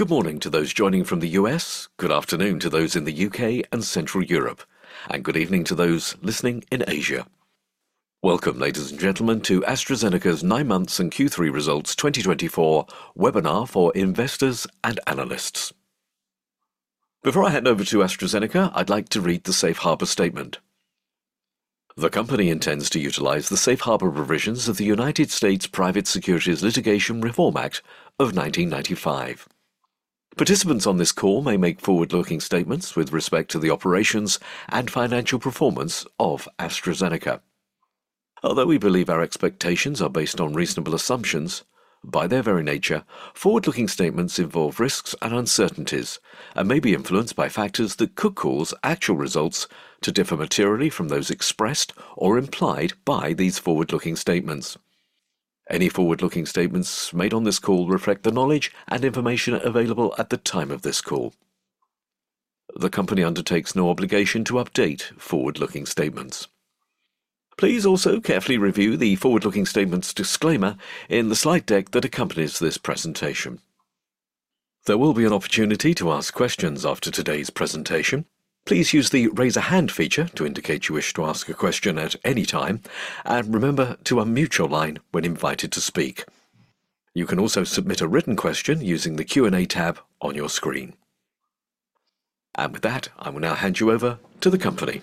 Good morning to those joining from the U.S., good afternoon to those in the U.K. and Central Europe, and good evening to those listening in Asia. Welcome, ladies and gentlemen, to AstraZeneca's Nine Months and Q3 Results 2024 webinar for investors and analysts. Before I head over to AstraZeneca, I'd like to read the Safe Harbor statement. The company intends to utilize the Safe Harbor provisions of the United States Private Securities Litigation Reform Act of 1995. Participants on this call may make forward-looking statements with respect to the operations and financial performance of AstraZeneca. Although we believe our expectations are based on reasonable assumptions, by their very nature, forward-looking statements involve risks and uncertainties and may be influenced by factors that could cause actual results to differ materially from those expressed or implied by these forward-looking statements. Any forward-looking statements made on this call reflect the knowledge and information available at the time of this call. The company undertakes no obligation to update forward-looking statements. Please also carefully review the forward-looking statements disclaimer in the slide deck that accompanies this presentation. There will be an opportunity to ask questions after today's presentation. Please use the raise-a-hand feature to indicate you wish to ask a question at any time, and remember to unmute your line when invited to speak. You can also submit a written question using the Q&A tab on your screen. And with that, I will now hand you over to the company.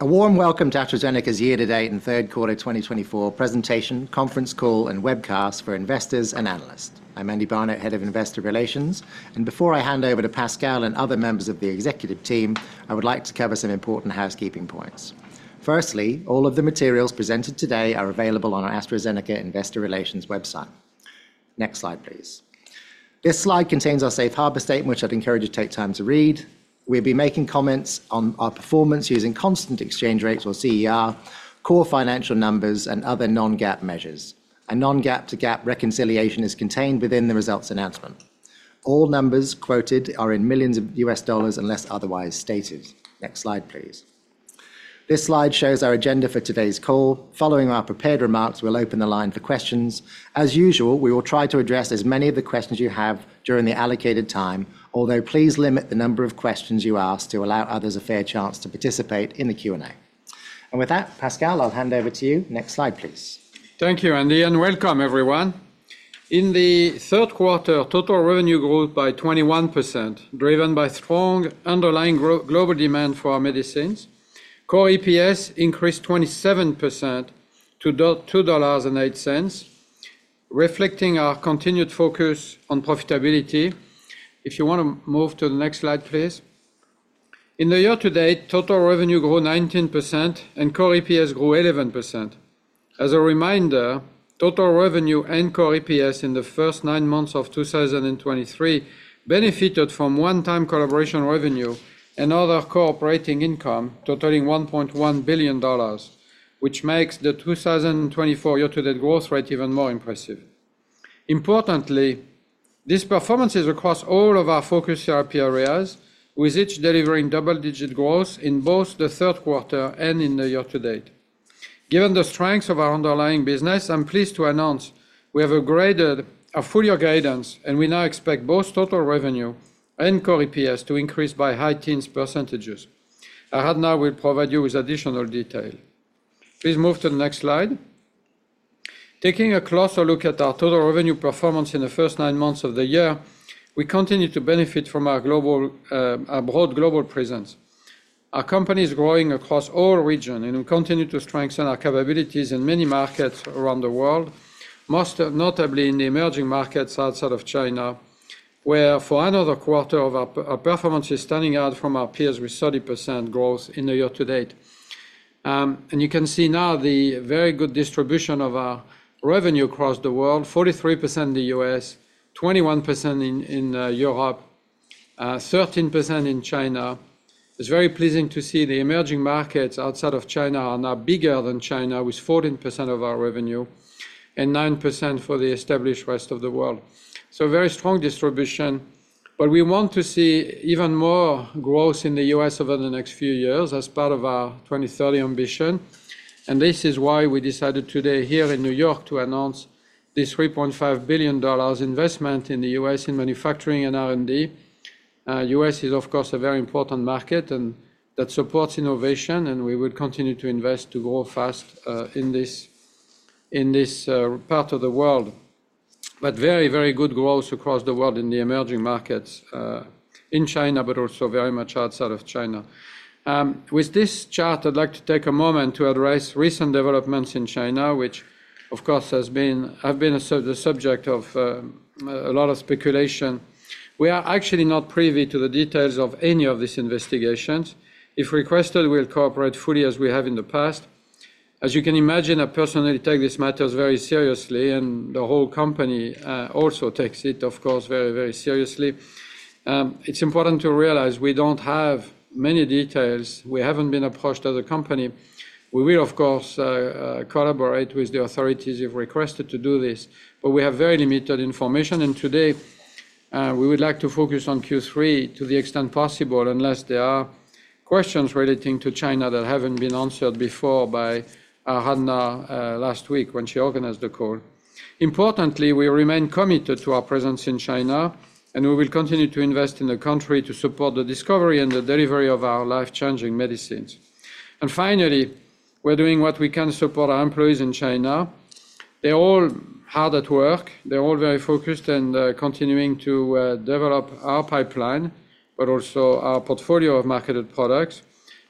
A warm welcome to AstraZeneca's year-to-date and third quarter 2024 presentation, conference call, and webcast for investors and analysts. I'm Andy Barnett, Head of Investor Relations, and before I hand over to Pascal and other members of the executive team, I would like to cover some important housekeeping points. First, all of the materials presented today are available on our AstraZeneca Investor Relations website. Next slide, please. This slide contains our Safe Harbor statement, which I'd encourage you to take time to read. We'll be making comments on our performance using constant exchange rates or CER, core financial numbers, and other non-GAAP measures. A non-GAAP to GAAP reconciliation is contained within the results announcement. All numbers quoted are in millions of US dollars unless otherwise stated. Next slide, please. This slide shows our agenda for today's call. Following our prepared remarks, we'll open the line for questions. As usual, we will try to address as many of the questions you have during the allocated time, although please limit the number of questions you ask to allow others a fair chance to participate in the Q&A. And with that, Pascal, I'll hand over to you. Next slide, please. Thank you, Andy, and welcome, everyone. In the third quarter, total revenue grew by 21%, driven by strong underlying global demand for our medicines. Core EPS increased 27% to $2.08, reflecting our continued focus on profitability. If you want to move to the next slide, please. In the year-to-date, total revenue grew 19%, and core EPS grew 11%. As a reminder, total revenue and core EPS in the first nine months of 2023 benefited from one-time collaboration revenue and other operating income totaling $1.1 billion, which makes the 2024 year-to-date growth rate even more impressive. Importantly, this performance is across all of our focus areas, with each delivering double-digit growth in both the third quarter and in the year-to-date. Given the strengths of our underlying business, I'm pleased to announce we have a full-year guidance, and we now expect both total revenue and core EPS to increase by high-teens percentages. Aradhana will provide you with additional detail. Please move to the next slide. Taking a closer look at our total revenue performance in the first nine months of the year, we continue to benefit from our broad global presence. Our company is growing across all regions, and we continue to strengthen our capabilities in many markets around the world, most notably in the emerging markets outside of China, where for another quarter, our performance is standing out from our peers with 30% growth in the year-to-date, and you can see now the very good distribution of our revenue across the world: 43% in the U.S., 21% in Europe, 13% in China. It's very pleasing to see the emerging markets outside of China are now bigger than China, with 14% of our revenue and 9% for the established rest of the world. So, very strong distribution, but we want to see even more growth in the U.S. over the next few years as part of our 2030 ambition. And this is why we decided today here in New York to announce this $3.5 billion investment in the U.S. in manufacturing and R&D. The U.S. is, of course, a very important market that supports innovation, and we will continue to invest to grow fast in this part of the world. But very, very good growth across the world in the emerging markets, in China, but also very much outside of China. With this chart, I'd like to take a moment to address recent developments in China, which, of course, have been the subject of a lot of speculation. We are actually not privy to the details of any of these investigations. If requested, we'll cooperate fully as we have in the past. As you can imagine, I personally take this matter very seriously, and the whole company also takes it, of course, very, very seriously. It's important to realize we don't have many details. We haven't been approached as a company. We will, of course, collaborate with the authorities if requested to do this, but we have very limited information, and today, we would like to focus on Q3 to the extent possible, unless there are questions relating to China that haven't been answered before by Aradhana last week when she organized the call. Importantly, we remain committed to our presence in China, and we will continue to invest in the country to support the discovery and the delivery of our life-changing medicines. And finally, we're doing what we can to support our employees in China. They're all hard at work. They're all very focused and continuing to develop our pipeline, but also our portfolio of marketed products.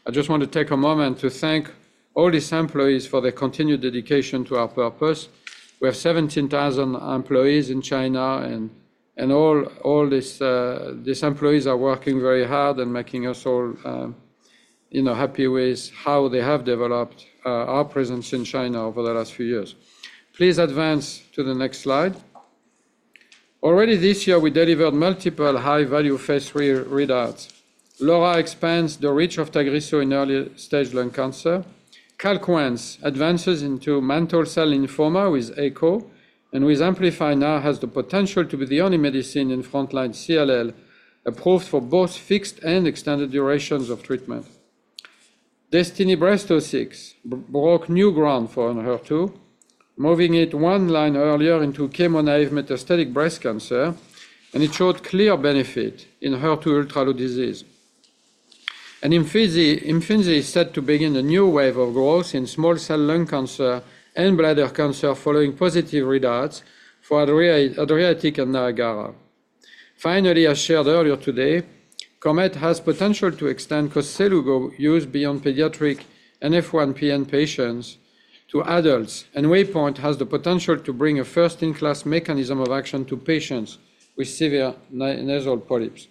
I just want to take a moment to thank all these employees for their continued dedication to our purpose. We have 17,000 employees in China, and all these employees are working very hard and making us all happy with how they have developed our presence in China over the last few years. Please advance to the next slide. Already this year, we delivered multiple high-value phase III readouts. LAURA expands the reach of Tagrisso in early-stage lung cancer. Calquence advances into mantle cell lymphoma with ECHO, and with AMPLIFY now has the potential to be the only medicine in frontline CLL approved for both fixed and extended durations of treatment. DESTINY-Breast06 broke new ground for HER2, moving it one line earlier into chemo-naive metastatic breast cancer, and it showed clear benefit in HER2 ultra-low disease. Imfinzi is set to begin a new wave of growth in small cell lung cancer and bladder cancer following positive readouts for ADRIATIC and NIAGARA. Finally, as shared earlier today, KOMET has potential to extend Koselugo use beyond pediatric NF1-PN patients to adults, and WAYPOINT has the potential to bring a first-in-class mechanism of action to patients with severe nasal polyps.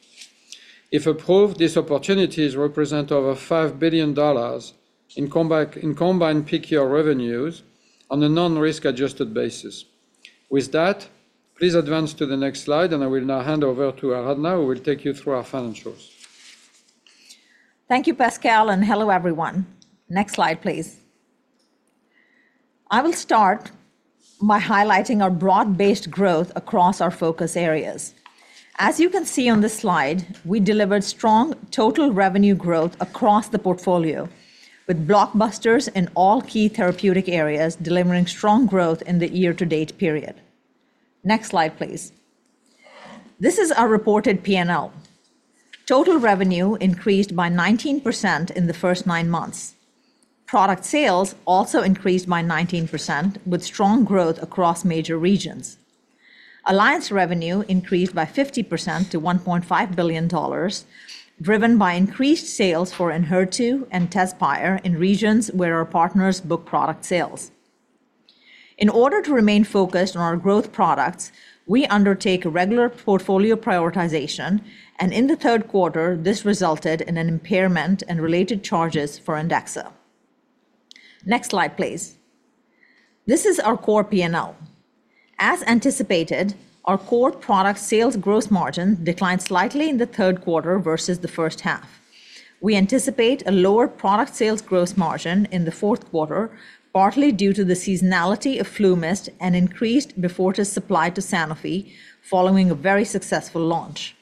If approved, these opportunities represent over $5 billion in combined peak year revenues on a non-risk-adjusted basis. With that, please advance to the next slide, and I will now hand over to Aradhana, who will take you through our financials. Thank you, Pascal, and hello, everyone. Next slide, please. I will start by highlighting our broad-based growth across our focus areas. As you can see on this slide, we delivered strong total revenue growth across the portfolio, with blockbusters in all key therapeutic areas delivering strong growth in the year-to-date period. Next slide, please. This is our reported P&L. Total revenue increased by 19% in the first nine months. Product sales also increased by 19%, with strong growth across major regions. Alliance revenue increased by 50% to $1.5 billion, driven by increased sales for Enhertu and Tezspire in regions where our partners book product sales. In order to remain focused on our growth products, we undertake regular portfolio prioritization, and in the third quarter, this resulted in an impairment and related charges for Andexxa. Next slide, please. This is our core P&L. As anticipated, our core product sales gross margin declined slightly in the third quarter versus the first half. We anticipate a lower product sales gross margin in the fourth quarter, partly due to the seasonality of FluMist and increased Beyfortus supply to Sanofi following a very successful launch.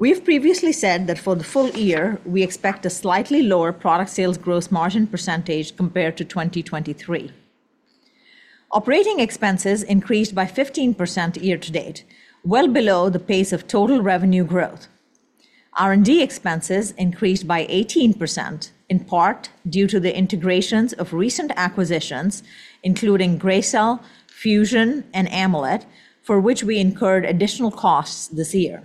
We have previously said that for the full year, we expect a slightly lower product sales gross margin percentage compared to 2023. Operating expenses increased by 15% year-to-date, well below the pace of total revenue growth. R&D expenses increased by 18%, in part due to the integrations of recent acquisitions, including Gracell, Fusion, and Amolyt, for which we incurred additional costs this year.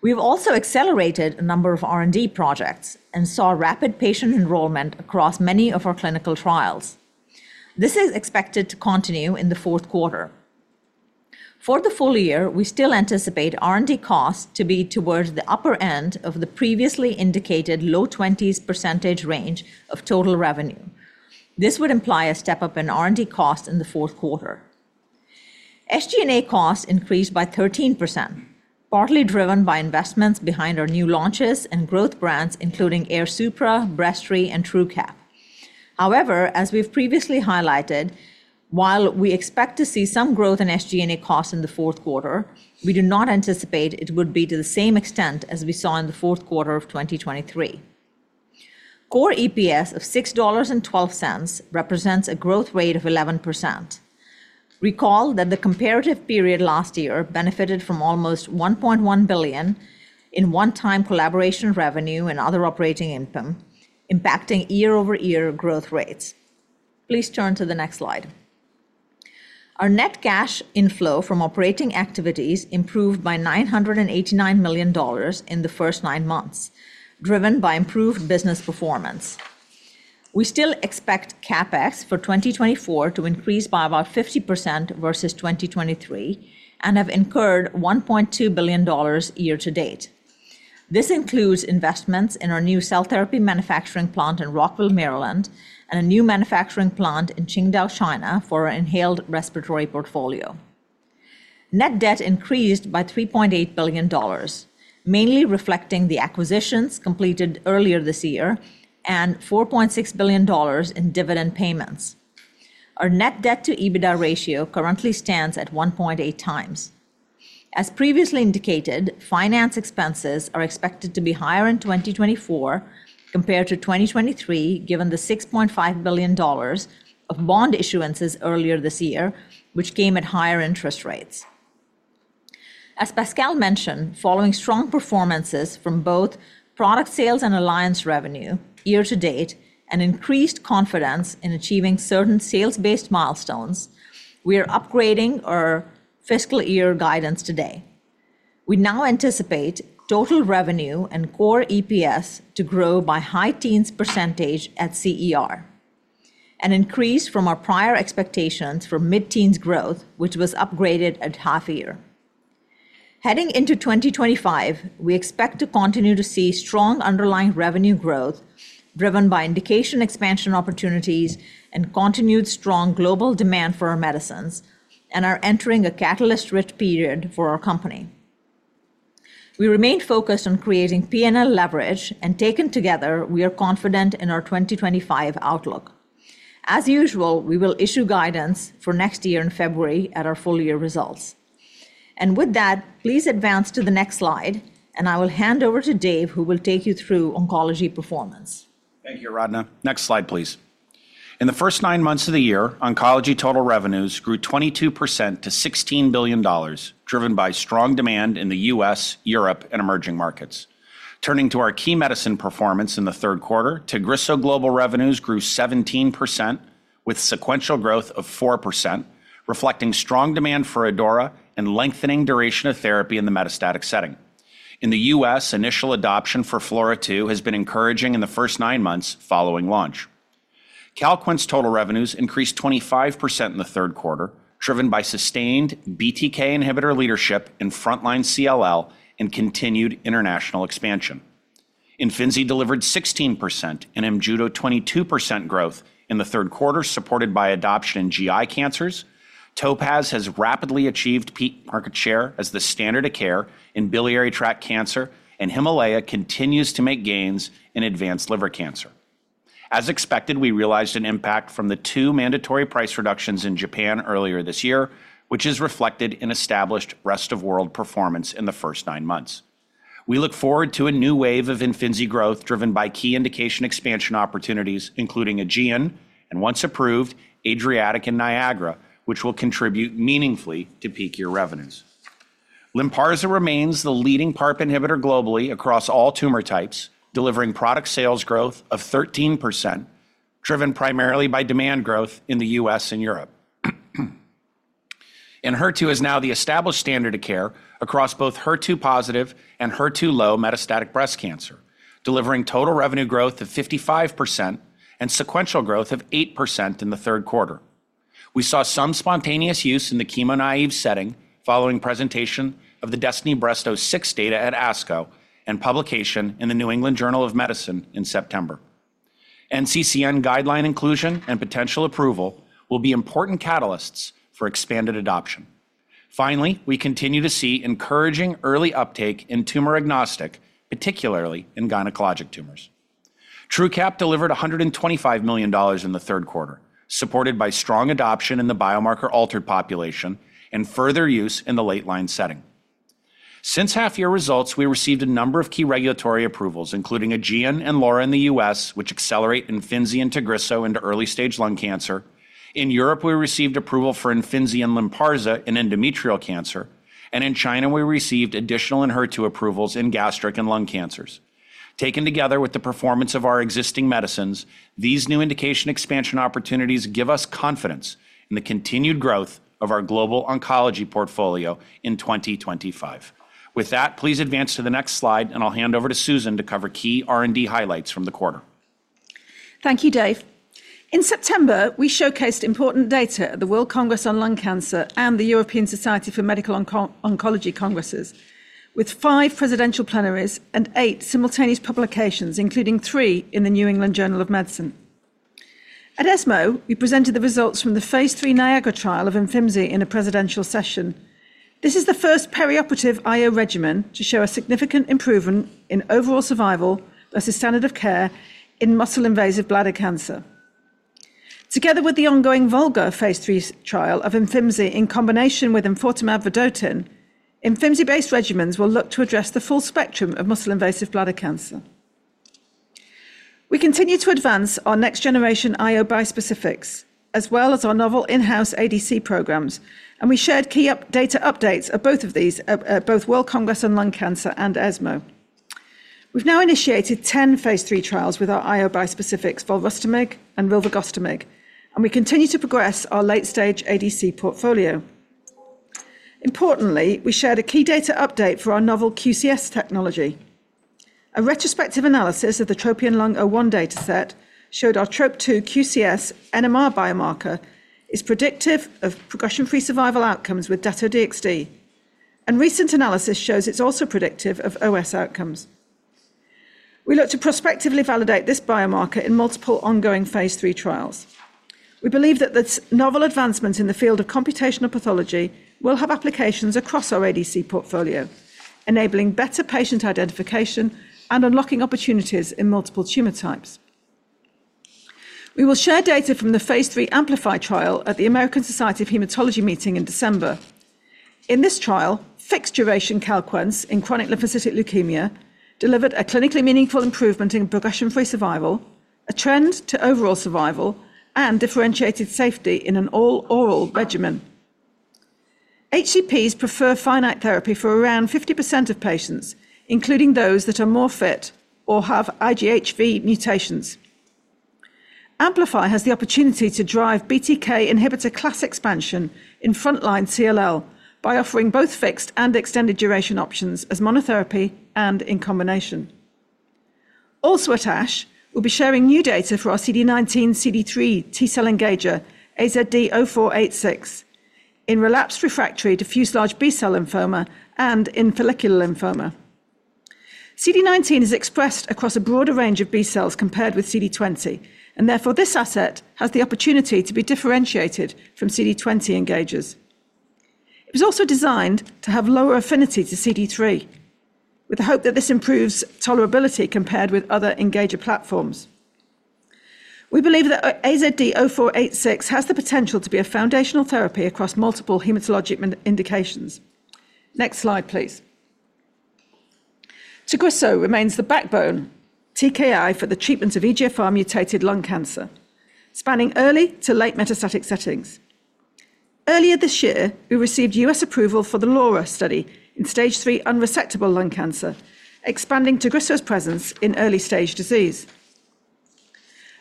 We have also accelerated a number of R&D projects and saw rapid patient enrollment across many of our clinical trials. This is expected to continue in the fourth quarter. For the full year, we still anticipate R&D costs to be towards the upper end of the previously indicated low 20s percentage range of total revenue. This would imply a step-up in R&D costs in the fourth quarter. SG&A costs increased by 13%, partly driven by investments behind our new launches and growth brands, including Airsupra, Breztri, and Truqap. However, as we've previously highlighted, while we expect to see some growth in SG&A costs in the fourth quarter, we do not anticipate it would be to the same extent as we saw in the fourth quarter of 2023. Core EPS of $6.12 represents a growth rate of 11%. Recall that the comparative period last year benefited from almost $1.1 billion in one-time collaboration revenue and other operating income, impacting year-over-year growth rates. Please turn to the next slide. Our net cash inflow from operating activities improved by $989 million in the first nine months, driven by improved business performance. We still expect CapEx for 2024 to increase by about 50% versus 2023 and have incurred $1.2 billion year-to-date. This includes investments in our new cell therapy manufacturing plant in Rockville, Maryland, and a new manufacturing plant in Qingdao, China, for our inhaled respiratory portfolio. Net debt increased by $3.8 billion, mainly reflecting the acquisitions completed earlier this year and $4.6 billion in dividend payments. Our net debt-to-EBITDA ratio currently stands at 1.8x. As previously indicated, finance expenses are expected to be higher in 2024 compared to 2023, given the $6.5 billion of bond issuances earlier this year, which came at higher interest rates. As Pascal mentioned, following strong performances from both product sales and alliance revenue year-to-date and increased confidence in achieving certain sales-based milestones, we are upgrading our fiscal year guidance today. We now anticipate total revenue and core EPS to grow by high teens percentage at CER, an increase from our prior expectations for mid-teens% growth, which was upgraded at half a year. Heading into 2025, we expect to continue to see strong underlying revenue growth driven by indication expansion opportunities and continued strong global demand for our medicines, and are entering a catalyst-rich period for our company. We remain focused on creating P&L leverage, and taken together, we are confident in our 2025 outlook. As usual, we will issue guidance for next year in February at our full year results. With that, please advance to the next slide, and I will hand over to Dave, who will take you through Oncology performance. Thank you, Aradhana. Next slide, please. In the first nine months of the year, Oncology total revenues grew 22% to $16 billion, driven by strong demand in the U.S., Europe, and emerging markets. Turning to our key medicine performance in the third quarter, Tagrisso global revenues grew 17%, with sequential growth of 4%, reflecting strong demand for ADAURA and lengthening duration of therapy in the metastatic setting. In the U.S., initial adoption for FLAURA2 has been encouraging in the first nine months following launch. Calquence total revenues increased 25% in the third quarter, driven by sustained BTK inhibitor leadership in frontline CLL and continued international expansion. Imfinzi delivered 16% and Imjudo 22% growth in the third quarter, supported by adoption in GI cancers. TOPAZ has rapidly achieved peak market share as the standard of care in biliary tract cancer, and HIMALAYA continues to make gains in advanced liver cancer. As expected, we realized an impact from the two mandatory price reductions in Japan earlier this year, which is reflected in established rest-of-world performance in the first nine months. We look forward to a new wave of Imfinzi growth driven by key indication expansion opportunities, including AEGEAN and, once approved, ADRIATIC and NIAGARA, which will contribute meaningfully to peak year revenues. Lynparza remains the leading PARP inhibitor globally across all tumor types, delivering product sales growth of 13%, driven primarily by demand growth in the U.S. and Europe. Enhertu is now the established standard of care across both HER2-positive and HER2-low metastatic breast cancer, delivering total revenue growth of 55% and sequential growth of 8% in the third quarter. We saw some spontaneous use in the chemo-naive setting following presentation of the DESTINY-Breast06 data at ASCO and publication in the New England Journal of Medicine in September. NCCN guideline inclusion and potential approval will be important catalysts for expanded adoption. Finally, we continue to see encouraging early uptake in tumor-agnostic, particularly in gynecologic tumors. Truqap delivered $125 million in the third quarter, supported by strong adoption in the biomarker-altered population and further use in the late-line setting. Since half-year results, we received a number of key regulatory approvals, including AEGEAN and LAURA in the U.S., which accelerate Imfinzi and Tagrisso into early-stage lung cancer. In Europe, we received approval for Imfinzi and Lynparza in endometrial cancer, and in China, we received additional Enhertu approvals in gastric and lung cancers. Taken together with the performance of our existing medicines, these new indication expansion opportunities give us confidence in the continued growth of our global oncology portfolio in 2025. With that, please advance to the next slide, and I'll hand over to Susan to cover key R&D highlights from the quarter. Thank you, Dave. In September, we showcased important data at the World Congress on Lung Cancer and the European Society for Medical Oncology Congresses, with five presidential plenaries and eight simultaneous publications, including three in the New England Journal of Medicine. At ESMO, we presented the results from the phase III NIAGARA trial of Imfinzi in a presidential session. This is the first perioperative IO regimen to show a significant improvement in overall survival versus standard of care in muscle-invasive bladder cancer. Together with the ongoing VOLGA phase III trial of Imfinzi in combination with enfortumab vedotin, Imfinzi-based regimens will look to address the full spectrum of muscle-invasive bladder cancer. We continue to advance our next-generation IO bispecifics, as well as our novel in-house ADC programs, and we shared key data updates at both World Congress on Lung Cancer and ESMO. We've now initiated 10 phase III trials with our IO bispecifics, volrustomig and rilvegostamig, and we continue to progress our late-stage ADC portfolio. Importantly, we shared a key data update for our novel QCS technology. A retrospective analysis of the TROPION-Lung01 dataset showed our TROP2 QCS-NMR biomarker is predictive of progression-free survival outcomes with Dato-DXd, and recent analysis shows it's also predictive of OS outcomes. We look to prospectively validate this biomarker in multiple ongoing phase III trials. We believe that the novel advancements in the field of computational pathology will have applications across our ADC portfolio, enabling better patient identification and unlocking opportunities in multiple tumor types. We will share data from the phase III AMPLIFY trial at the American Society of Hematology meeting in December. In this trial, fixed-duration Calquence in chronic lymphocytic leukemia delivered a clinically meaningful improvement in progression-free survival, a trend to overall survival, and differentiated safety in an all-oral regimen. HCPs prefer finite therapy for around 50% of patients, including those that are more fit or have IGHV mutations. AMPLIFY has the opportunity to drive BTK inhibitor class expansion in frontline CLL by offering both fixed and extended-duration options as monotherapy and in combination. Also at ASH, we'll be sharing new data for our CD19/CD3 T-cell engager, AZD0486 in relapsed refractory diffuse large B-cell lymphoma and in follicular lymphoma. CD19 is expressed across a broader range of B-cells compared with CD20, and therefore this asset has the opportunity to be differentiated from CD20 engagers. It was also designed to have lower affinity to CD3, with the hope that this improves tolerability compared with other engager platforms. We believe that AZD0486 has the potential to be a foundational therapy across multiple hematologic indications. Next slide, please. Tagrisso remains the backbone TKI for the treatment of EGFR-mutated lung cancer, spanning early to late metastatic settings. Earlier this year, we received U.S. approval for the LAURA study in stage three unresectable lung cancer, expanding Tagrisso's presence in early-stage disease.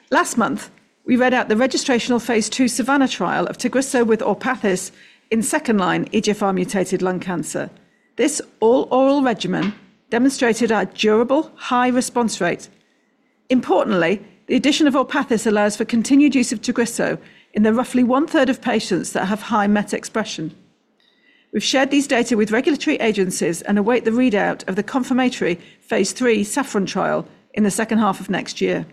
Last month, we read out the registrational phase II SAVANNAH trial of Tagrisso with Orpathys in second-line EGFR-mutated lung cancer. This all-oral regimen demonstrated a durable high response rate. Importantly, the addition of Orpathys allows for continued use of Tagrisso in the roughly one-third of patients that have high MET expression. We've shared these data with regulatory agencies and await the readout of the confirmatory phase III SAFFRON trial in the second half of next year.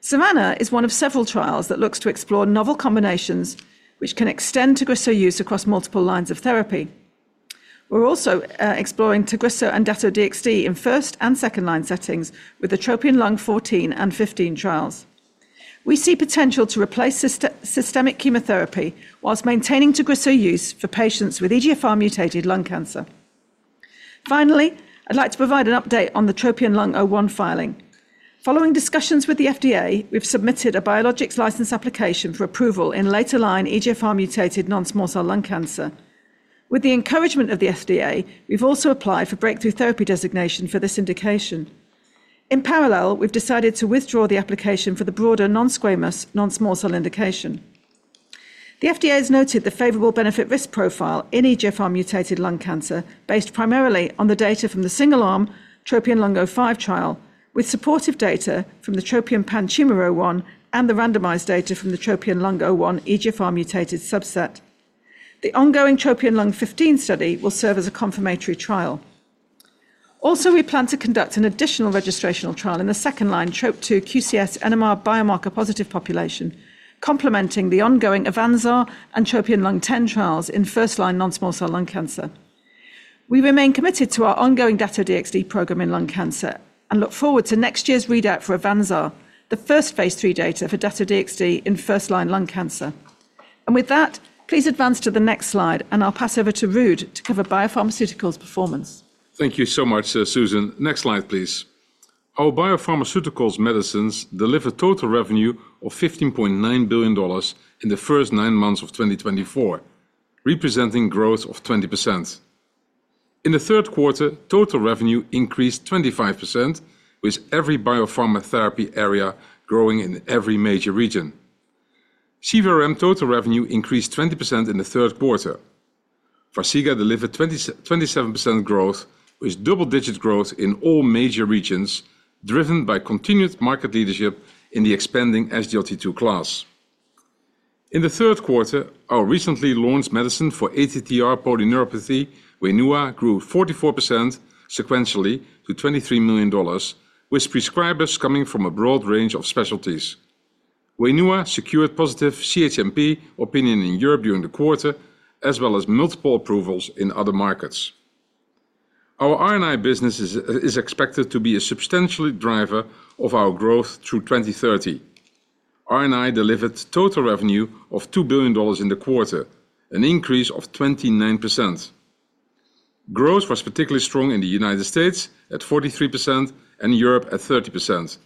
SAVANNAH is one of several trials that looks to explore novel combinations which can extend Tagrisso use across multiple lines of therapy. We're also exploring Tagrisso and Dato-DXd in first and second-line settings with the TROPION-Lung14 and TROPION-Lung15 trials. We see potential to replace systemic chemotherapy while maintaining Tagrisso use for patients with EGFR-mutated lung cancer. Finally, I'd like to provide an update on the TROPION-Lung01 filing. Following discussions with the FDA, we've submitted a biologics license application for approval in later-line EGFR-mutated non-small cell lung cancer. With the encouragement of the FDA, we've also applied for breakthrough therapy designation for this indication. In parallel, we've decided to withdraw the application for the broader non-squamous non-small cell indication. The FDA has noted the favorable benefit-risk profile in EGFR-mutated lung cancer based primarily on the data from the single-arm TROPION-Lung05 trial, with supportive data from the TROPION-PanTumor01 and the randomized data from the TROPION-Lung01 EGFR-mutated subset. The ongoing TROPION-Lung15 study will serve as a confirmatory trial. Also, we plan to conduct an additional registrational trial in the second-line TROP2 QCS-NMR biomarker-positive population, complementing the ongoing AVANZAR and TROPION-Lung10 trials in first-line non-small cell lung cancer. We remain committed to our ongoing Dato-DXd program in lung cancer and look forward to next year's readout for AVANZAR, the first phase III data for Dato-DXd in first-line lung cancer. With that, please advance to the next slide, and I'll pass over to Ruud to cover BioPharmaceuticals performance. Thank you so much, Susan. Next slide, please. Our biopharmaceuticals medicines deliver total revenue of $15.9 billion in the first nine months of 2024, representing growth of 20%. In the third quarter, total revenue increased 25%, with every biopharma therapy area growing in every major region. CVRM total revenue increased 20% in the third quarter. Farxiga delivered 27% growth, with double-digit growth in all major regions, driven by continued market leadership in the expanding SGLT2 class. In the third quarter, our recently launched medicine for ATTR polyneuropathy, Wainua, grew 44% sequentially to $23 million, with prescribers coming from a broad range of specialties. Wainua secured positive CHMP opinion in Europe during the quarter, as well as multiple approvals in other markets. Our R&I business is expected to be a substantial driver of our growth through 2030. R&I delivered total revenue of $2 billion in the quarter, an increase of 29%. Growth was particularly strong in the United States at 43% and Europe at 30%,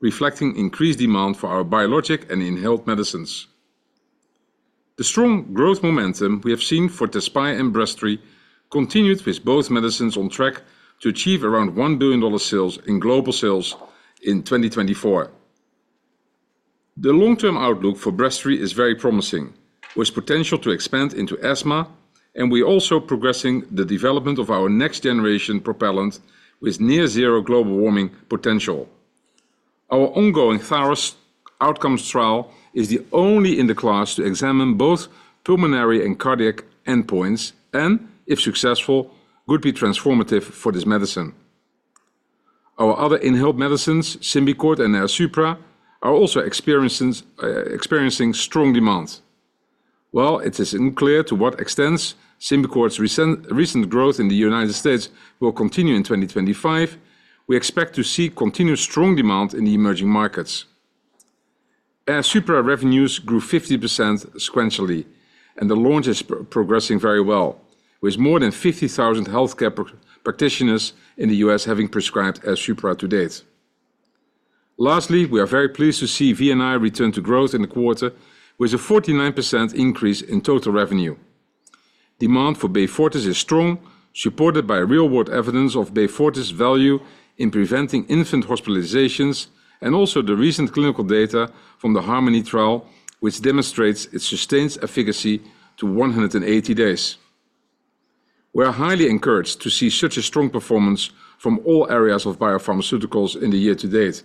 reflecting increased demand for our biologic and inhaled medicines. The strong growth momentum we have seen for Tezspire and Breztri continued with both medicines on track to achieve around $1 billion sales in global sales in 2024. The long-term outlook for Breztri is very promising, with potential to expand into asthma, and we are also progressing the development of our next-generation propellant with near-zero global warming potential. Our ongoing THARROS Outcomes trial is the only in the class to examine both pulmonary and cardiac endpoints and, if successful, could be transformative for this medicine. Our other inhaled medicines, Symbicort and Airsupra, are also experiencing strong demand. While it is unclear to what extent Symbicort's recent growth in the United States will continue in 2025, we expect to see continued strong demand in the emerging markets. Airsupra revenues grew 50% sequentially, and the launch is progressing very well, with more than 50,000 healthcare practitioners in the U.S. having prescribed Airsupra to date. Lastly, we are very pleased to see V&I return to growth in the quarter, with a 49% increase in total revenue. Demand for Beyfortus is strong, supported by real-world evidence of Beyfortus' value in preventing infant hospitalizations and also the recent clinical data from the HARMONY trial, which demonstrates its sustained efficacy to 180 days. We are highly encouraged to see such a strong performance from all areas of biopharmaceuticals in the year-to-date,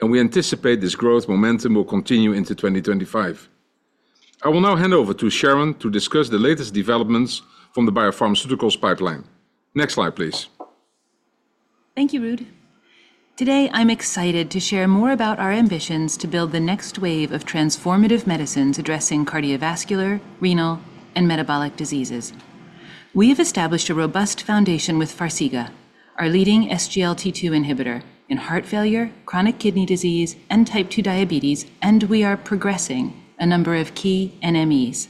and we anticipate this growth momentum will continue into 2025. I will now hand over to Sharon to discuss the latest developments from the BioPharmaceuticals pipeline. Next slide, please. Thank you, Ruud. Today, I'm excited to share more about our ambitions to build the next wave of transformative medicines addressing cardiovascular, renal, and metabolic diseases. We have established a robust foundation with Farxiga, our leading SGLT2 inhibitor in heart failure, chronic kidney disease, and type 2 diabetes, and we are progressing a number of key NMEs.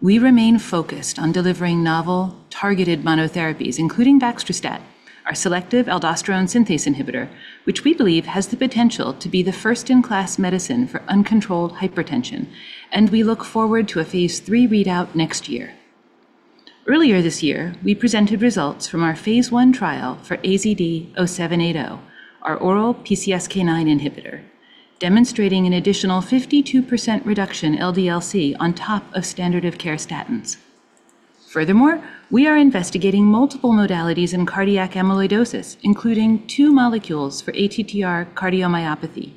We remain focused on delivering novel targeted monotherapies, including baxdrostat, our selective aldosterone synthase inhibitor, which we believe has the potential to be the first-in-class medicine for uncontrolled hypertension, and we look forward to a phase III readout next year. Earlier this year, we presented results from our phase I trial for AZD0780, our oral PCSK9 inhibitor, demonstrating an additional 52% reduction LDL-C on top of standard of care statins. Furthermore, we are investigating multiple modalities in cardiac amyloidosis, including two molecules for ATTR cardiomyopathy: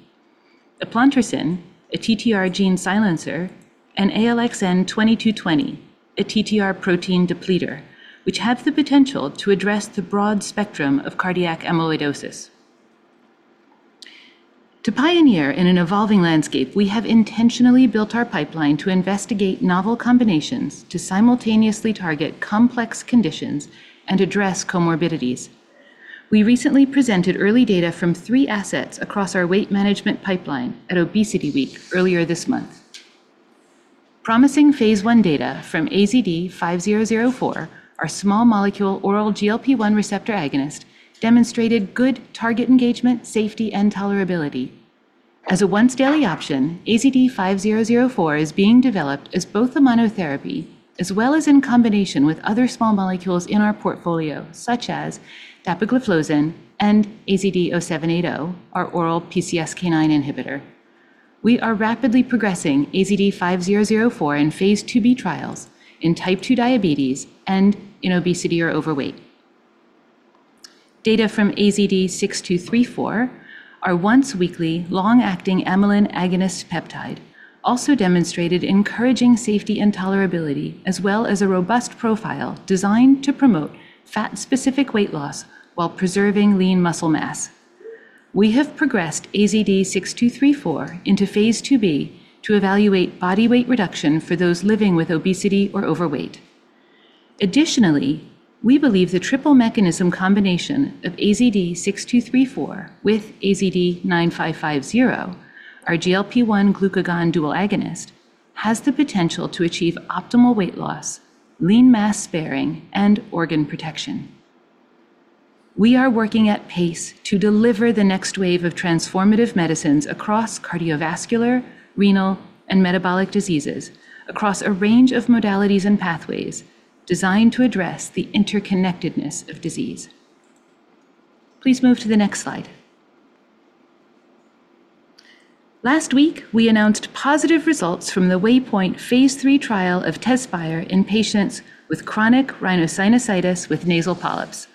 Eplontersen, a TTR gene-silencer, and ALXN2220, a TTR protein-depleter, which have the potential to address the broad spectrum of cardiac amyloidosis. To pioneer in an evolving landscape, we have intentionally built our pipeline to investigate novel combinations to simultaneously target complex conditions and address comorbidities. We recently presented early data from three assets across our weight management pipeline at Obesity Week earlier this month. Promising phase I data from AZD5004, our small molecule oral GLP-1 receptor agonist, demonstrated good target engagement, safety, and tolerability. As a once-daily option, AZD5004 is being developed as both a monotherapy as well as in combination with other small molecules in our portfolio, such as dapagliflozin and AZD0780, our oral PCSK9 inhibitor. We are rapidly progressing AZD5004 in phase II-B trials in type 2 diabetes and in obesity or overweight. Data from AZD6234, our once-weekly long-acting amylin agonist peptide, also demonstrated encouraging safety and tolerability, as well as a robust profile designed to promote fat-specific weight loss while preserving lean muscle mass. We have progressed AZD6234 into phase II-B to evaluate body weight reduction for those living with obesity or overweight. Additionally, we believe the triple mechanism combination of AZD6234 with AZD9550, our GLP-1 glucagon dual agonist, has the potential to achieve optimal weight loss, lean mass sparing, and organ protection. We are working at pace to deliver the next wave of transformative medicines across cardiovascular, renal, and metabolic diseases, across a range of modalities and pathways designed to address the interconnectedness of disease. Please move to the next slide. Last week, we announced positive results from the WAYPOINT phase III trial of Tezspire in patients with chronic rhinosinusitis with nasal polyps.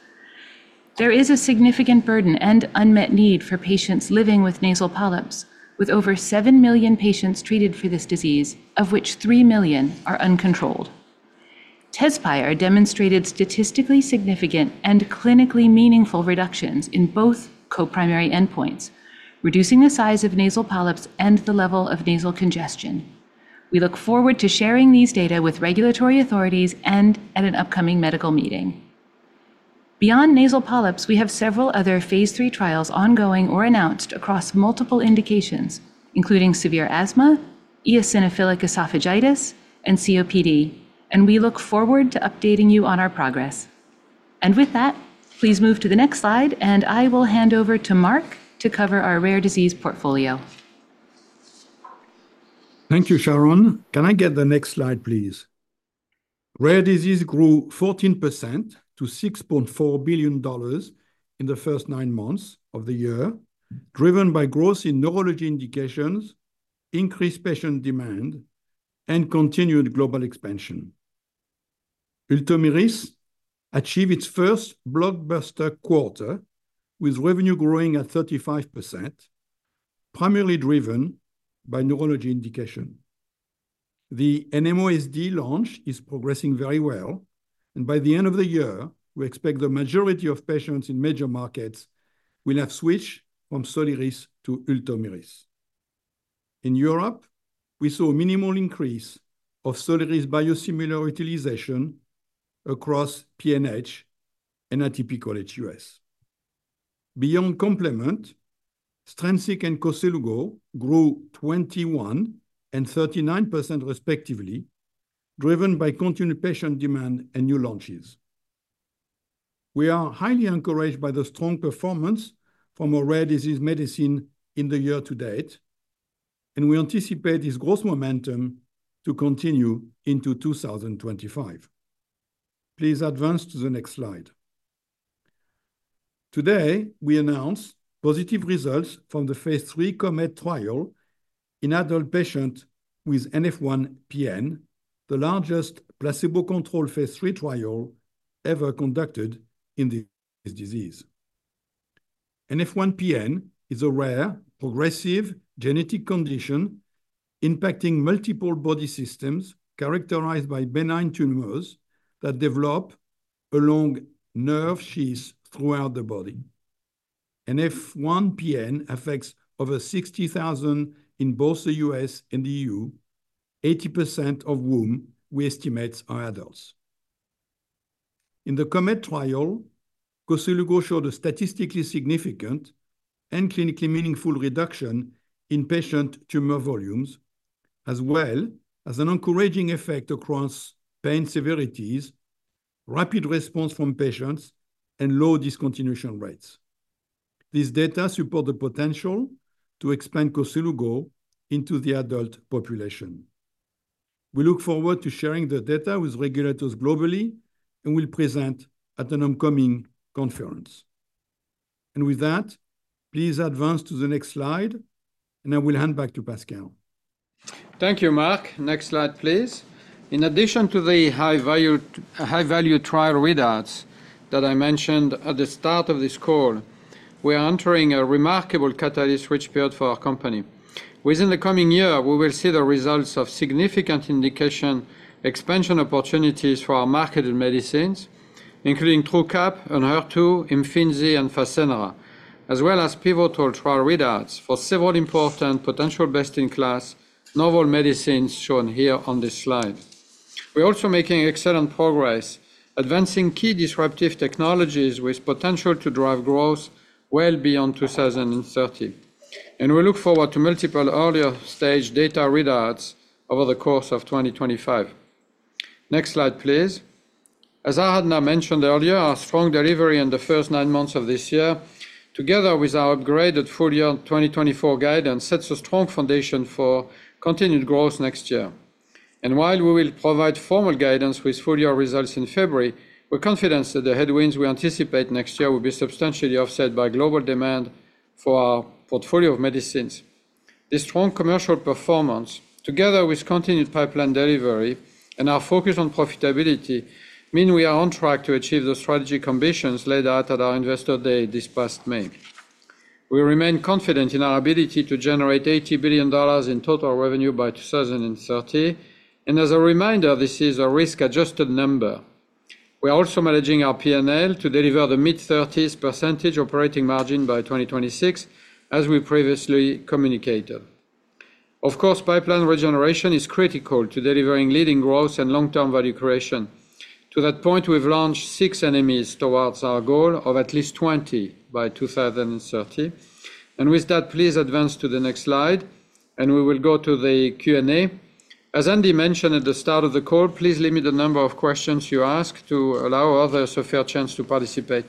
There is a significant burden and unmet need for patients living with nasal polyps, with over seven million patients treated for this disease, of which three million are uncontrolled. Tezspire demonstrated statistically significant and clinically meaningful reductions in both coprimary endpoints, reducing the size of nasal polyps and the level of nasal congestion. We look forward to sharing these data with regulatory authorities and at an upcoming medical meeting. Beyond nasal polyps, we have several other phase III trials ongoing or announced across multiple indications, including severe asthma, eosinophilic esophagitis, and COPD, and we look forward to updating you on our progress. And with that, please move to the next slide, and I will hand over to Marc to cover our rare disease portfolio. Thank you, Sharon. Can I get the next slide, please? Rare disease grew 14% to $6.4 billion in the first nine months of the year, driven by growth in neurology indications, increased patient demand, and continued global expansion. Ultomiris achieved its first blockbuster quarter, with revenue growing at 35%, primarily driven by neurology indication. The NMOSD launch is progressing very well, and by the end of the year, we expect the majority of patients in major markets will have switched from Soliris to Ultomiris. In Europe, we saw a minimal increase of Soliris biosimilar utilization across PNH and atypical HUS. Beyond complement, STRENSIQ and Koselugo grew 21% and 39% respectively, driven by continued patient demand and new launches. We are highly encouraged by the strong performance from our rare disease medicine in the year-to-date, and we anticipate this growth momentum to continue into 2025. Please advance to the next slide. Today, we announced positive results from the phase III KOMET trial in adult patients with NF1-PN, the largest placebo-controlled phase III trial ever conducted in this disease. NF1-PN is a rare, progressive genetic condition impacting multiple body systems characterized by benign tumors that develop along nerve sheaths throughout the body. NF1-PN affects over 60,000 in both the U.S. and the E.U., 80% of whom we estimate are adults. In the KOMET trial, Koselugo showed a statistically significant and clinically meaningful reduction in patient tumor volumes, as well as an encouraging effect across pain severities, rapid response from patients, and low discontinuation rates. These data support the potential to expand Koselugo into the adult population. We look forward to sharing the data with regulators globally and will present at an upcoming conference. And with that, please advance to the next slide, and I will hand back to Pascal. Thank you, Marc. Next slide, please. In addition to the high-value trial readouts that I mentioned at the start of this call, we are entering a remarkable catalyst switch period for our company. Within the coming year, we will see the results of significant indication expansion opportunities for our marketed medicines, including Truqap, Enhertu, Imfinzi, and Fasenra, as well as pivotal trial readouts for several important potential best-in-class novel medicines shown here on this slide. We are also making excellent progress, advancing key disruptive technologies with potential to drive growth well beyond 2030. And we look forward to multiple earlier-stage data readouts over the course of 2025. Next slide, please. As Aradhana mentioned earlier, our strong delivery in the first nine months of this year, together with our upgraded full-year 2024 guidance, sets a strong foundation for continued growth next year. While we will provide formal guidance with full-year results in February, we're confident that the headwinds we anticipate next year will be substantially offset by global demand for our portfolio of medicines. This strong commercial performance, together with continued pipeline delivery and our focus on profitability, means we are on track to achieve the strategic ambitions laid out at our investor day this past May. We remain confident in our ability to generate $80 billion in total revenue by 2030. As a reminder, this is a risk-adjusted number. We are also managing our P&L to deliver the mid-30s% operating margin by 2026, as we previously communicated. Of course, pipeline regeneration is critical to delivering leading growth and long-term value creation. To that point, we've launched six NMEs towards our goal of at least 20 by 2030. With that, please advance to the next slide, and we will go to the Q&A. As Andy mentioned at the start of the call, please limit the number of questions you ask to allow others a fair chance to participate.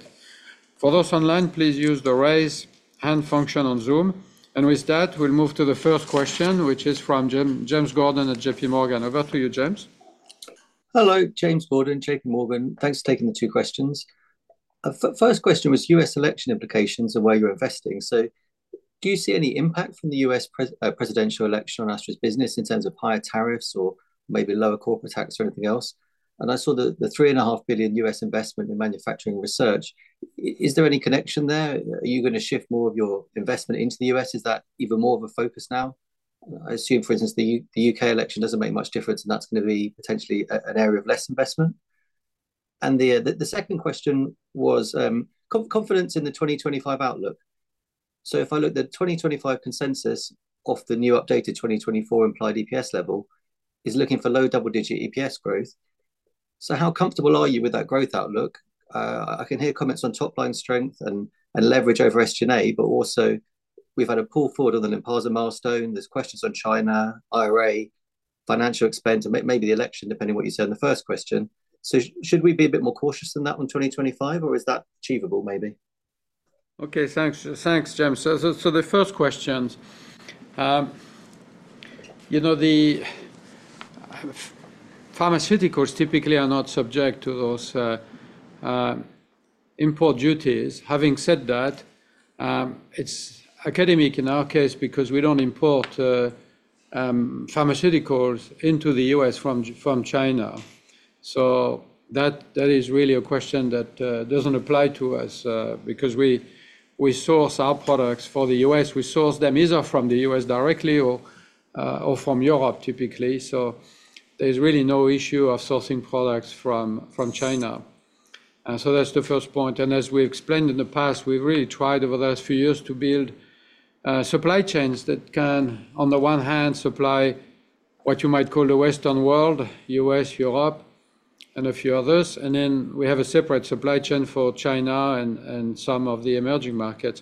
For those online, please use the raise hand function on Zoom. With that, we'll move to the first question, which is from James Gordon at JPMorgan. Over to you, James. Hello, James Gordon, JPMorgan. Thanks for taking the two questions. First question was U.S. election implications and where you're investing. So do you see any impact from the U.S. presidential election on Astra's business in terms of higher tariffs or maybe lower corporate tax or anything else? And I saw the $3.5 billion U.S. investment in manufacturing research. Is there any connection there? Are you going to shift more of your investment into the U.S.? Is that even more of a focus now? I assume, for instance, the U.K. election doesn't make much difference, and that's going to be potentially an area of less investment. And the second question was confidence in the 2025 outlook. So if I look at the 2025 consensus of the new updated 2024 implied EPS level, it's looking for low double-digit EPS growth. So how comfortable are you with that growth outlook? I can hear comments on top-line strength and leverage over SG&A, but also we've had a pull forward on the Lynparza milestone. There's questions on China, IRA, financial expense, and maybe the election, depending on what you said in the first question. So should we be a bit more cautious than that in 2025, or is that achievable, maybe? Okay, thanks, James. So the first question, you know, the pharmaceuticals typically are not subject to those import duties. Having said that, it's academic in our case because we don't import pharmaceuticals into the U.S. from China. So that is really a question that doesn't apply to us because we source our products for the U.S. We source them either from the U.S. directly or from Europe, typically. So there's really no issue of sourcing products from China. So that's the first point. And as we've explained in the past, we've really tried over the last few years to build supply chains that can, on the one hand, supply what you might call the Western world, U.S., Europe, and a few others. And then we have a separate supply chain for China and some of the emerging markets.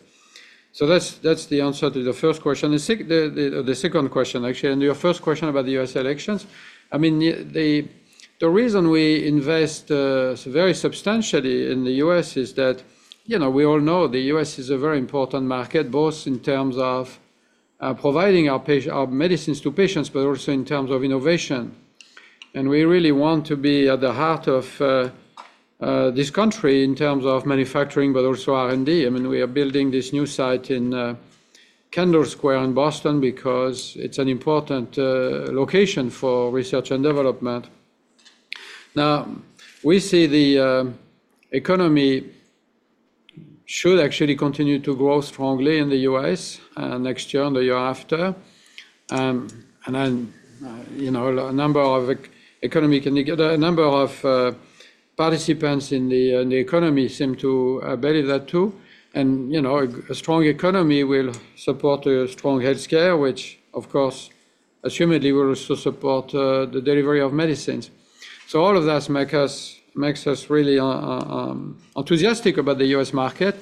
So that's the answer to the first question. The second question, actually, and your first question about the U.S. elections. I mean, the reason we invest very substantially in the U.S. is that, you know, we all know the U.S. is a very important market, both in terms of providing our medicines to patients, but also in terms of innovation, and we really want to be at the heart of this country in terms of manufacturing, but also R&D. I mean, we are building this new site in Kendall Square in Boston because it's an important location for research and development. Now, we see the economy should actually continue to grow strongly in the U.S. next year and the year after, and then, you know, a number of economic indicators, a number of participants in the economy seem to believe that too. You know, a strong economy will support strong healthcare, which, of course, assumedly will also support the delivery of medicines. So all of that makes us really enthusiastic about the U.S. market.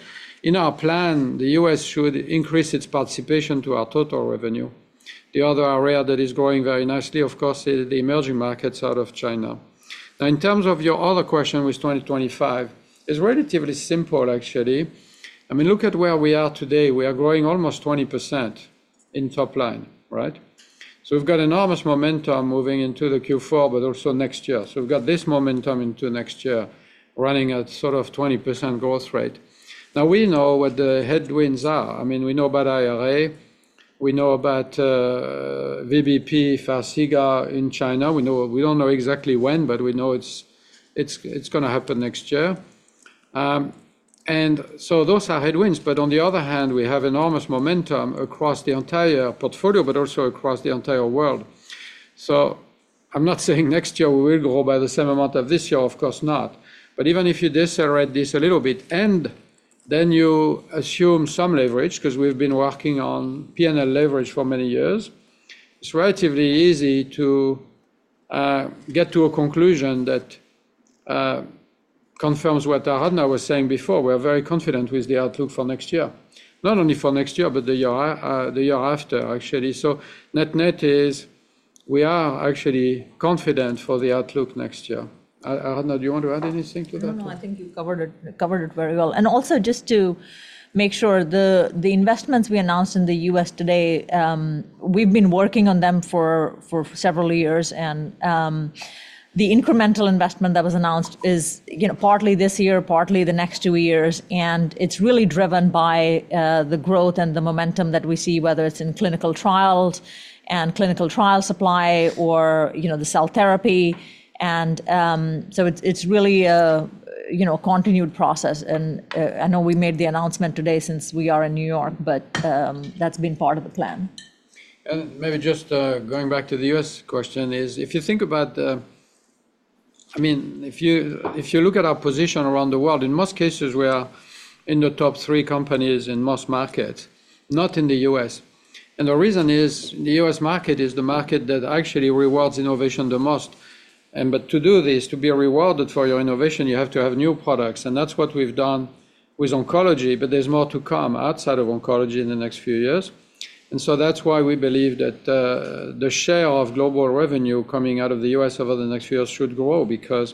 In our plan, the U.S. should increase its participation to our total revenue. The other area that is growing very nicely, of course, is the emerging markets out of China. Now, in terms of your other question with 2025, it's relatively simple, actually. I mean, look at where we are today. We are growing almost 20% in top line, right? So we've got enormous momentum moving into the Q4, but also next year. So we've got this momentum into next year, running at sort of 20% growth rate. Now, we know what the headwinds are. I mean, we know about IRA. We know about VBP Farxiga in China. We don't know exactly when, but we know it's going to happen next year. And so those are headwinds. But on the other hand, we have enormous momentum across the entire portfolio, but also across the entire world. So I'm not saying next year we will grow by the same amount of this year, of course not. But even if you decelerate this a little bit and then you assume some leverage, because we've been working on P&L leverage for many years, it's relatively easy to get to a conclusion that confirms what Aradhana was saying before. We are very confident with the outlook for next year, not only for next year, but the year after, actually. So net-net is we are actually confident for the outlook next year. Aradhana, do you want to add anything to that? No, I think you covered it very well, and also, just to make sure, the investments we announced in the U.S. today, we've been working on them for several years, and the incremental investment that was announced is partly this year, partly the next two years, and it's really driven by the growth and the momentum that we see, whether it's in clinical trials and clinical trial supply or the cell therapy, and so it's really a continued process, and I know we made the announcement today since we are in New York, but that's been part of the plan. And maybe just going back to the U.S. question is, if you think about, I mean, if you look at our position around the world, in most cases, we are in the top three companies in most markets, not in the U.S. And the reason is the U.S. market is the market that actually rewards innovation the most. But to do this, to be rewarded for your innovation, you have to have new products. And that's what we've done with oncology, but there's more to come outside of oncology in the next few years. And so that's why we believe that the share of global revenue coming out of the U.S. over the next few years should grow, because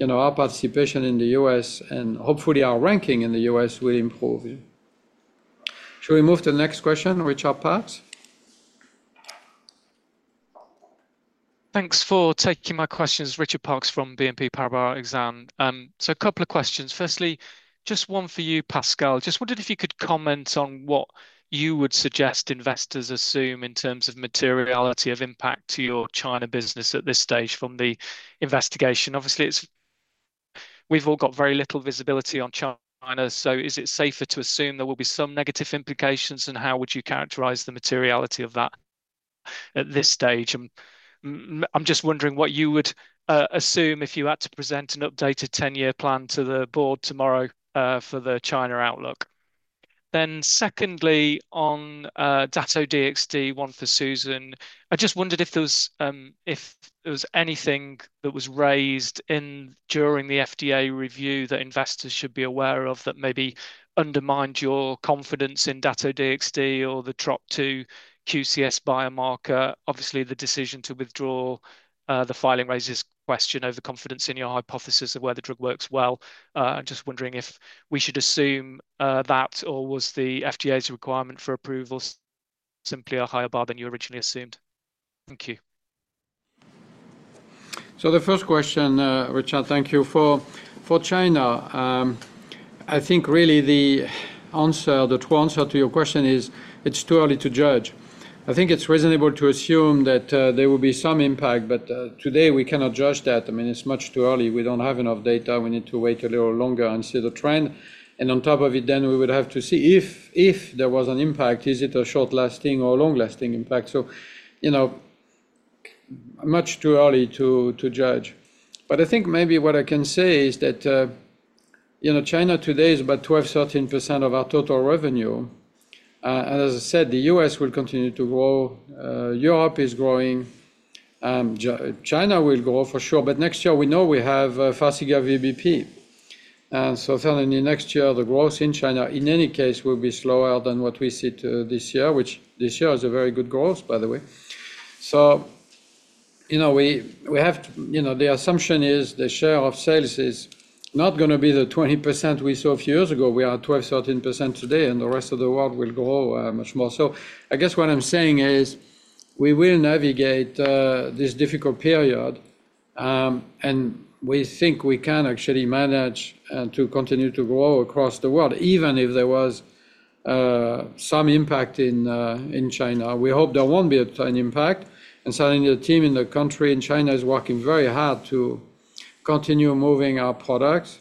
our participation in the U.S. and hopefully our ranking in the U.S. will improve. Shall we move to the next question, Richard Parkes? Thanks for taking my questions, Richard Parkes from BNP Paribas Exane. So a couple of questions. Firstly, just one for you, Pascal. Just wondered if you could comment on what you would suggest investors assume in terms of materiality of impact to your China business at this stage from the investigation. Obviously, we've all got very little visibility on China. So is it safer to assume there will be some negative implications, and how would you characterize the materiality of that at this stage? I'm just wondering what you would assume if you had to present an updated 10-year plan to the board tomorrow for the China outlook. Then secondly, on Dato-DXd, one for Susan, I just wondered if there was anything that was raised during the FDA review that investors should be aware of that maybe undermined your confidence in Dato-DXd or the TROP2 QCS biomarker. Obviously, the decision to withdraw the filing raises questions over confidence in your hypothesis of whether drug works well. I'm just wondering if we should assume that, or was the FDA's requirement for approval simply a higher bar than you originally assumed? Thank you. So the first question, Richard, thank you. For China, I think really the true answer to your question is it's too early to judge. I think it's reasonable to assume that there will be some impact, but today we cannot judge that. I mean, it's much too early. We don't have enough data. We need to wait a little longer and see the trend. And on top of it, then we would have to see if there was an impact, is it a short-lasting or a long-lasting impact? So much too early to judge. But I think maybe what I can say is that China today is about 12%-13% of our total revenue. And as I said, the U.S. will continue to grow. Europe is growing. China will grow, for sure. But next year, we know we have Farxiga VBP. And so certainly next year, the growth in China, in any case, will be slower than what we see this year, which this year is a very good growth, by the way. So the assumption is the share of sales is not going to be the 20% we saw a few years ago. We are 12%-13% today, and the rest of the world will grow much more. So I guess what I'm saying is we will navigate this difficult period, and we think we can actually manage to continue to grow across the world, even if there was some impact in China. We hope there won't be an impact. And certainly the team in the country in China is working very hard to continue moving our products.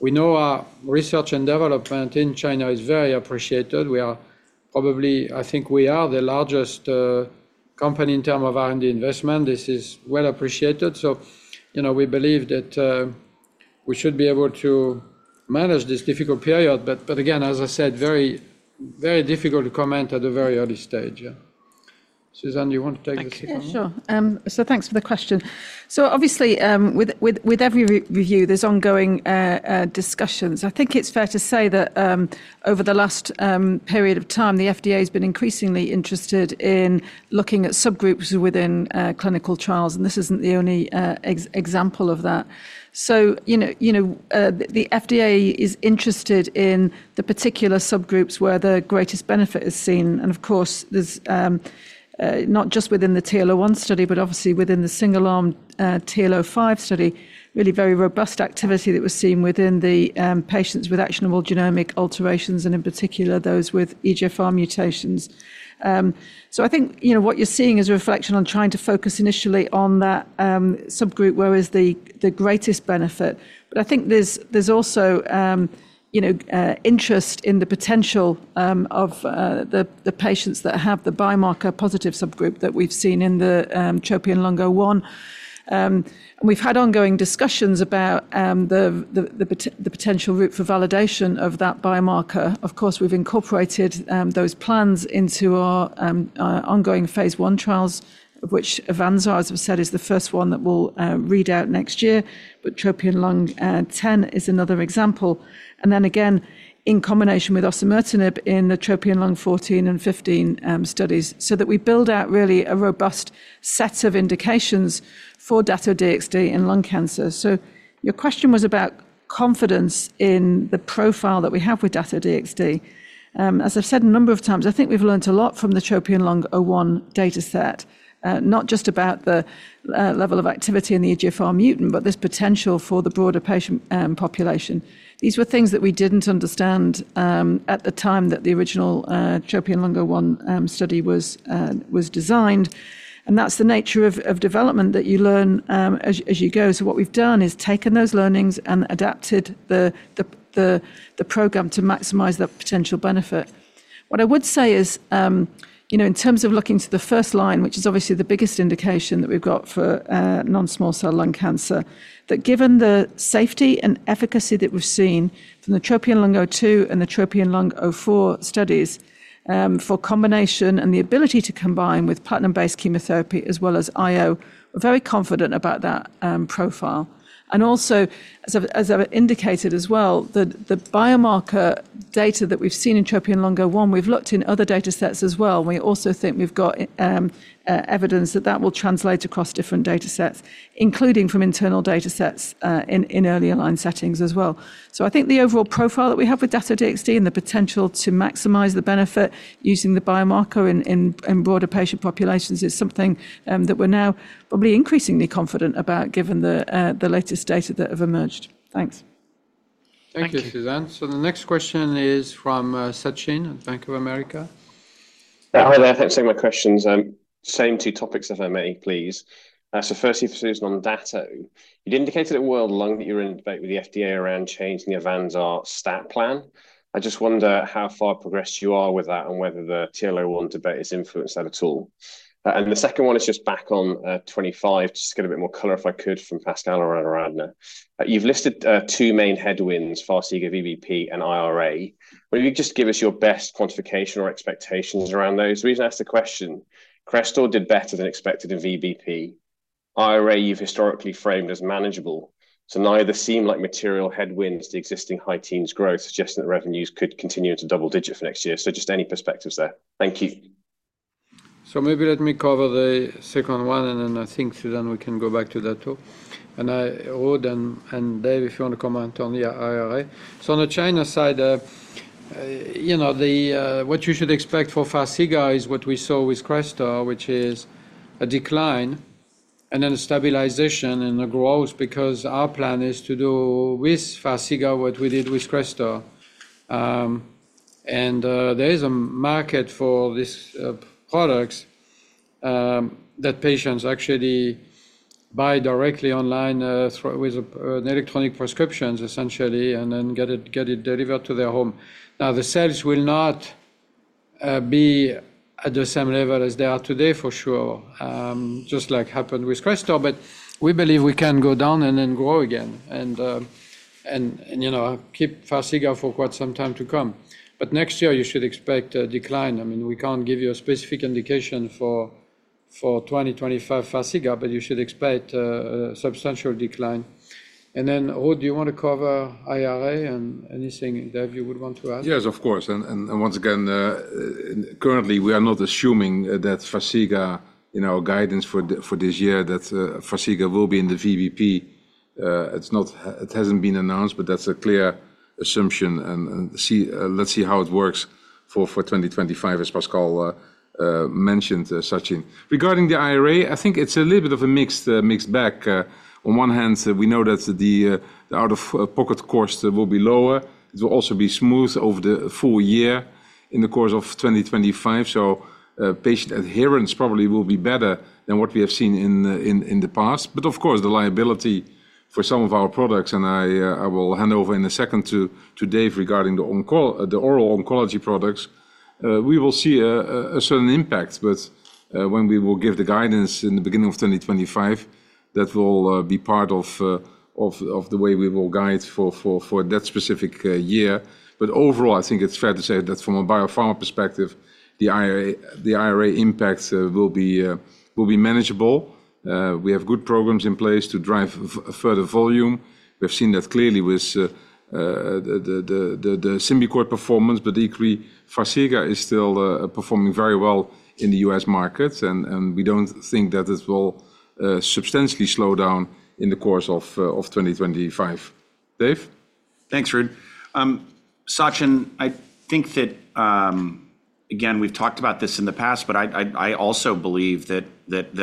We know our research and development in China is very appreciated. We are probably, I think we are the largest company in terms of R&D investment. This is well appreciated. So we believe that we should be able to manage this difficult period. But again, as I said, very difficult to comment at a very early stage. Susan, do you want to take the second one? Sure. So thanks for the question. So obviously, with every review, there's ongoing discussions. I think it's fair to say that over the last period of time, the FDA has been increasingly interested in looking at subgroups within clinical trials. And this isn't the only example of that. So the FDA is interested in the particular subgroups where the greatest benefit is seen. And of course, not just within the TL01 study, but obviously within the single-arm TL05 study, really very robust activity that was seen within the patients with actionable genomic alterations, and in particular, those with EGFR mutations. So I think what you're seeing is a reflection on trying to focus initially on that subgroup, where is the greatest benefit. But I think there's also interest in the potential of the patients that have the biomarker positive subgroup that we've seen in the TROPION-Lung01. We've had ongoing discussions about the potential route for validation of that biomarker. Of course, we've incorporated those plans into our ongoing phase I trials, which AVANZAR, as I've said, is the first one that we'll read out next year. Tropion-Lung10 is another example. Then again, in combination with osimertinib in the TROPION-Lung14 and TROPION-Lung15 studies, so that we build out really a robust set of indications for Dato-DXd in lung cancer. Your question was about confidence in the profile that we have with Dato-DXd. As I've said a number of times, I think we've learned a lot from the TROPION-Lung01 dataset, not just about the level of activity in the EGFR mutant, but this potential for the broader patient population. These were things that we didn't understand at the time that the original TROPION-Lung01 study was designed. And that's the nature of development that you learn as you go. So what we've done is taken those learnings and adapted the program to maximize the potential benefit. What I would say is, in terms of looking to the first line, which is obviously the biggest indication that we've got for non-small cell lung cancer, that given the safety and efficacy that we've seen from the TROPION-Lung02 and the TROPION-Lung04 studies for combination and the ability to combine with platinum-based chemotherapy as well as IO, we're very confident about that profile. And also, as I've indicated as well, the biomarker data that we've seen in TROPION-Lung01, we've looked in other datasets as well. We also think we've got evidence that that will translate across different datasets, including from internal datasets in early-line settings as well. So I think the overall profile that we have with Dato-DXd and the potential to maximize the benefit using the biomarker in broader patient populations is something that we're now probably increasingly confident about, given the latest data that have emerged. Thanks. Thank you, Susan. So the next question is from Sachin at Bank of America. Hi, there. I have similar questions. Same two topics, if I may, please. So firstly, for Susan on Dato, you'd indicated at World Lung that you're in a debate with the FDA around changing the AVANZAR stat plan. I just wonder how far progressed you are with that and whether the TL01 debate has influenced that at all. And the second one is just back on 2025, just to get a bit more color if I could from Pascal or Aradhana. You've listed two main headwinds, Farxiga VBP and IRA. Maybe you could just give us your best quantification or expectations around those. The reason I asked the question, Crestor did better than expected in VBP. IRA you've historically framed as manageable. So neither seem like material headwinds to existing high teens' growth, suggesting that revenues could continue to double-digit for next year. So just any perspectives there? Thank you. So maybe let me cover the second one, and then I think, Susan, we can go back to Dato. And I would, and Dave, if you want to comment on the IRA. So on the China side, what you should expect for Farxiga is what we saw with Crestor, which is a decline and then a stabilization in the growth, because our plan is to do with Farxiga what we did with Crestor. And there is a market for these products that patients actually buy directly online with electronic prescriptions, essentially, and then get it delivered to their home. Now, the sales will not be at the same level as they are today, for sure, just like happened with Crestor, but we believe we can go down and then grow again and keep Farxiga for quite some time to come. But next year, you should expect a decline. I mean, we can't give you a specific indication for 2025 Farxiga, but you should expect a substantial decline, and then, Ruud, do you want to cover IRA and anything, Dave, you would want to add? Yes, of course. And once again, currently, we are not assuming that Farxiga, in our guidance for this year, that Farxiga will be in the VBP. It hasn't been announced, but that's a clear assumption. And let's see how it works for 2025, as Pascal mentioned, Sachin. Regarding the IRA, I think it's a little bit of a mixed bag. On one hand, we know that the out-of-pocket cost will be lower. It will also be smooth over the full year in the course of 2025. So patient adherence probably will be better than what we have seen in the past. But of course, the liability for some of our products, and I will hand over in a second to Dave regarding the oral oncology products, we will see a certain impact. But when we will give the guidance in the beginning of 2025, that will be part of the way we will guide for that specific year. But overall, I think it's fair to say that from a biopharma perspective, the IRA impact will be manageable. We have good programs in place to drive further volume. We've seen that clearly with the Symbicort performance, but equally, Farxiga is still performing very well in the U.S. market. And we don't think that it will substantially slow down in the course of 2025. Dave? Thanks, Ruud. Sachin, I think that, again, we've talked about this in the past, but I also believe that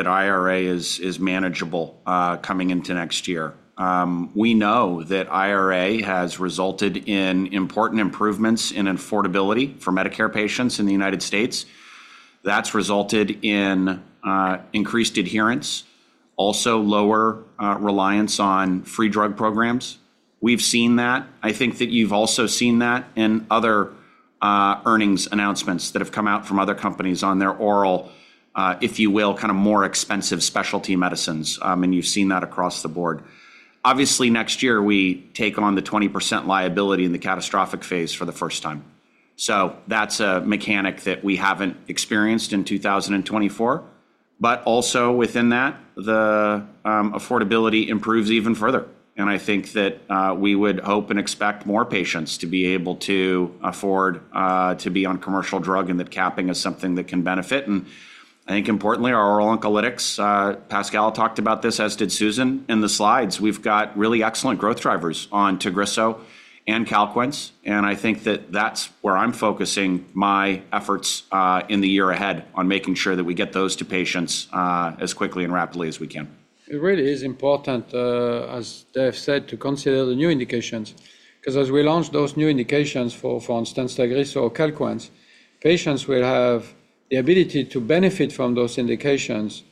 IRA is manageable coming into next year. We know that IRA has resulted in important improvements in affordability for Medicare patients in the United States. That's resulted in increased adherence, also lower reliance on free drug programs. We've seen that. I think that you've also seen that in other earnings announcements that have come out from other companies on their oral, if you will, kind of more expensive specialty medicines. And you've seen that across the board. Obviously, next year, we take on the 20% liability in the catastrophic phase for the first time. So that's a mechanic that we haven't experienced in 2024. But also within that, the affordability improves even further. I think that we would hope and expect more patients to be able to afford to be on commercial drug and that capping is something that can benefit. I think, importantly, our oral oncolytics, Pascal talked about this, as did Susan in the slides. We've got really excellent growth drivers on Tagrisso and Calquence. I think that that's where I'm focusing my efforts in the year ahead on making sure that we get those to patients as quickly and rapidly as we can. It really is important, as Dave said, to consider the new indications, because as we launch those new indications for, for instance, Tagrisso or Calquence, patients will have the ability to benefit from those indications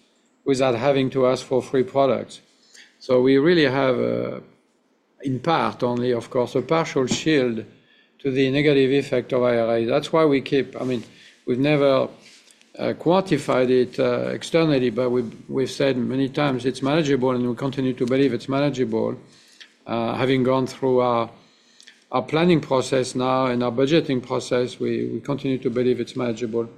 without having to ask for free products. So we really have, in part only, of course, a partial shield to the negative effect of IRA. That's why we keep, I mean, we've never quantified it externally, but we've said many times it's manageable, and we continue to believe it's manageable. Having gone through our planning process now and our budgeting process, we continue to believe it's manageable.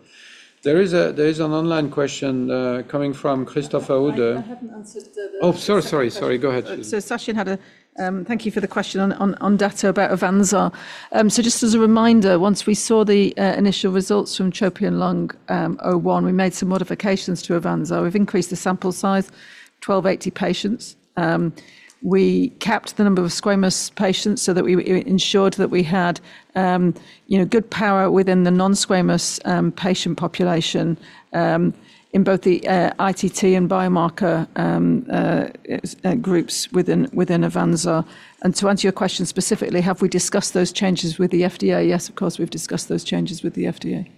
There is an online question coming from Christopher Uhde. I haven't answered. Oh, sorry. Go ahead. Sachin, thank you for the question on Dato-DXd about AVANZAR. Just as a reminder, once we saw the initial results from TROPION-Lung01, we made some modifications to AVANZAR. We've increased the sample size, 1,280 patients. We capped the number of squamous patients so that we ensured that we had good power within the non-squamous patient population in both the ITT and biomarker groups within AVANZAR. To answer your question specifically, have we discussed those changes with the FDA? Yes, of course, we've discussed those changes with the FDA.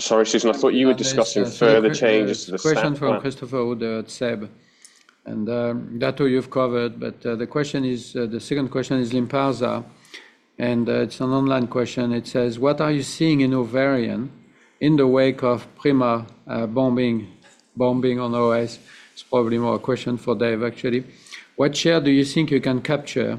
Sorry, Susan, I thought you were discussing further changes to the that. Question from Christopher Uhde, SEB. And Dato, you've covered, but the question is, the second question is Lynparza. And it's an online question. It says, what are you seeing in ovarian in the wake of PRIMA bombing on OS? It's probably more a question for Dave, actually. What share do you think you can capture,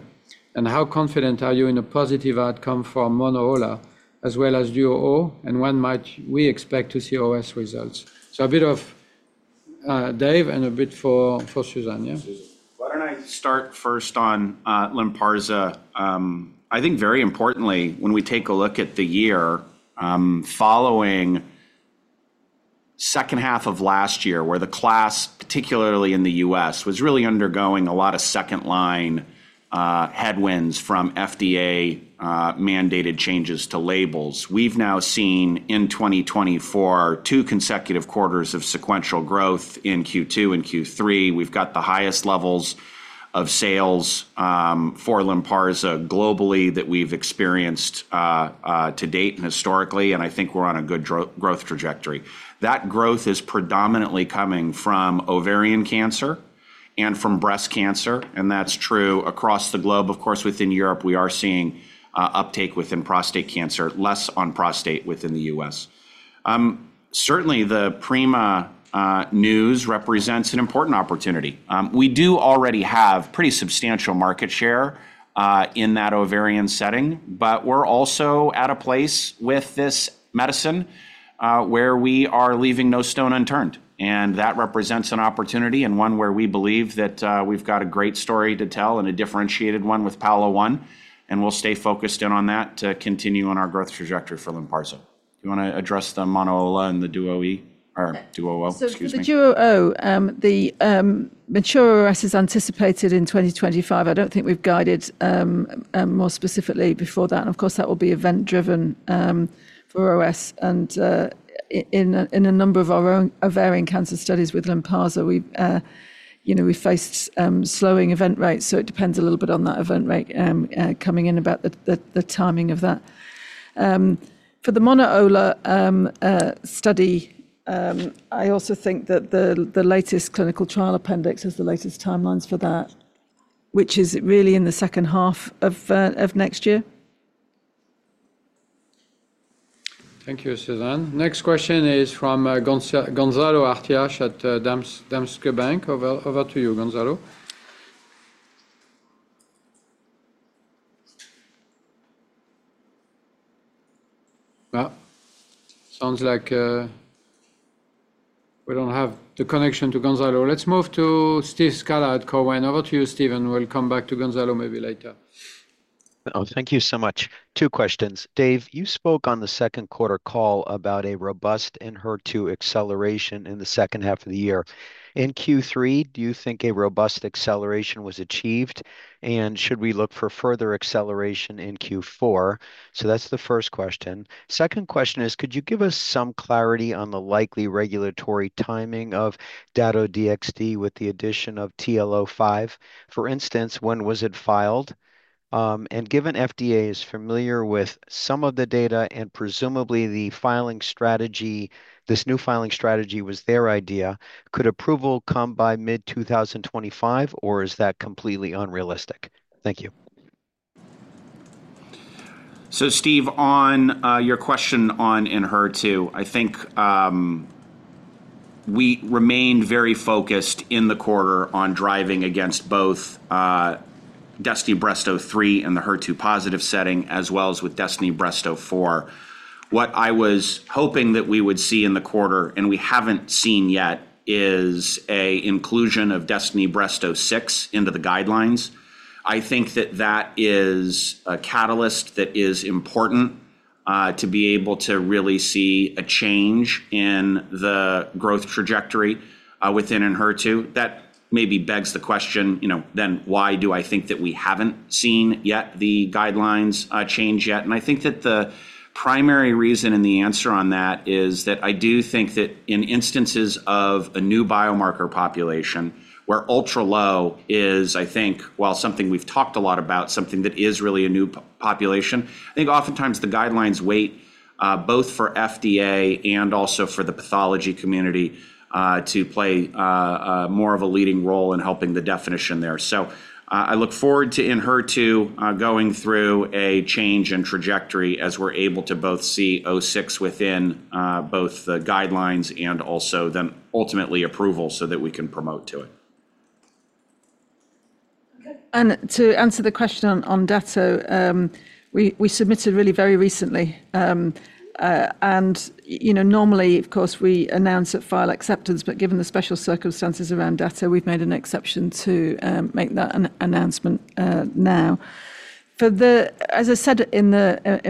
and how confident are you in a positive outcome for MONO-OLA as well as DUO-O, and when might we expect to see OS results? So a bit of Dave and a bit for Susan, yeah? Susan, why don't I start first on Lynparza. I think very importantly, when we take a look at the year following second half of last year, where the class, particularly in the U.S., was really undergoing a lot of second-line headwinds from FDA-mandated changes to labels, we've now seen in 2024 two consecutive quarters of sequential growth in Q2 and Q3. We've got the highest levels of sales for Lynparza globally that we've experienced to date and historically, and I think we're on a good growth trajectory. That growth is predominantly coming from ovarian cancer and from breast cancer, and that's true across the globe. Of course, within Europe, we are seeing uptake within prostate cancer, less on prostate within the U.S. Certainly, the PRIMA news represents an important opportunity. We do already have pretty substantial market share in that ovarian setting, but we're also at a place with this medicine where we are leaving no stone unturned, and that represents an opportunity and one where we believe that we've got a great story to tell and a differentiated one with TL01, and we'll stay focused in on that to continue on our growth trajectory for Lynparza. Do you want to address the MONO-OLA and the DUO-E or DUO-O, excuse me? The DUO-O, the mature OS is anticipated in 2025. I don't think we've guided more specifically before that. And of course, that will be event-driven for OS. And in a number of our ovarian cancer studies with Lynparza, we faced slowing event rates. So it depends a little bit on that event rate coming in about the timing of that. For the MONO-OLA study, I also think that the latest clinical trial appendix has the latest timelines for that, which is really in the second half of next year. Thank you, Susan. Next question is from Gonzalo Artiach at Danske Bank. Over to you, Gonzalo. Well, sounds like we don't have the connection to Gonzalo. Let's move to Steve Scala at TD Cowen. Over to you, Steve. We'll come back to Gonzalo maybe later. Thank you so much. Two questions. Dave, you spoke on the second quarter call about a robust Enhertu acceleration in the second half of the year. In Q3, do you think a robust acceleration was achieved, and should we look for further acceleration in Q4? So that's the first question. Second question is, could you give us some clarity on the likely regulatory timing of Dato-DXd with the addition of TL05? For instance, when was it filed? And given FDA is familiar with some of the data and presumably this new filing strategy was their idea, could approval come by mid-2025, or is that completely unrealistic? Thank you. So Steve, on your question on Enhertu, I think we remained very focused in the quarter on driving against both DESTINY-Breast03 and the HER2-positive setting, as well as with DESTINY-Breast04. What I was hoping that we would see in the quarter, and we haven't seen yet, is an inclusion of DESTINY-Breast06 into the guidelines. I think that that is a catalyst that is important to be able to really see a change in the growth trajectory within Enhertu. That maybe begs the question, then why do I think that we haven't seen yet the guidelines change yet? I think that the primary reason in the answer on that is that I do think that in instances of a new biomarker population where ultra-low is, I think, well, something we've talked a lot about, something that is really a new population. I think oftentimes the guidelines wait both for FDA and also for the pathology community to play more of a leading role in helping the definition there. I look forward to Enhertu going through a change in trajectory as we're able to both see O6 within both the guidelines and also then ultimately approval so that we can promote to it. To answer the question on Dato, we submitted really very recently. Normally, of course, we announce at file acceptance, but given the special circumstances around Dato-DXd, we've made an exception to make that announcement now. As I said in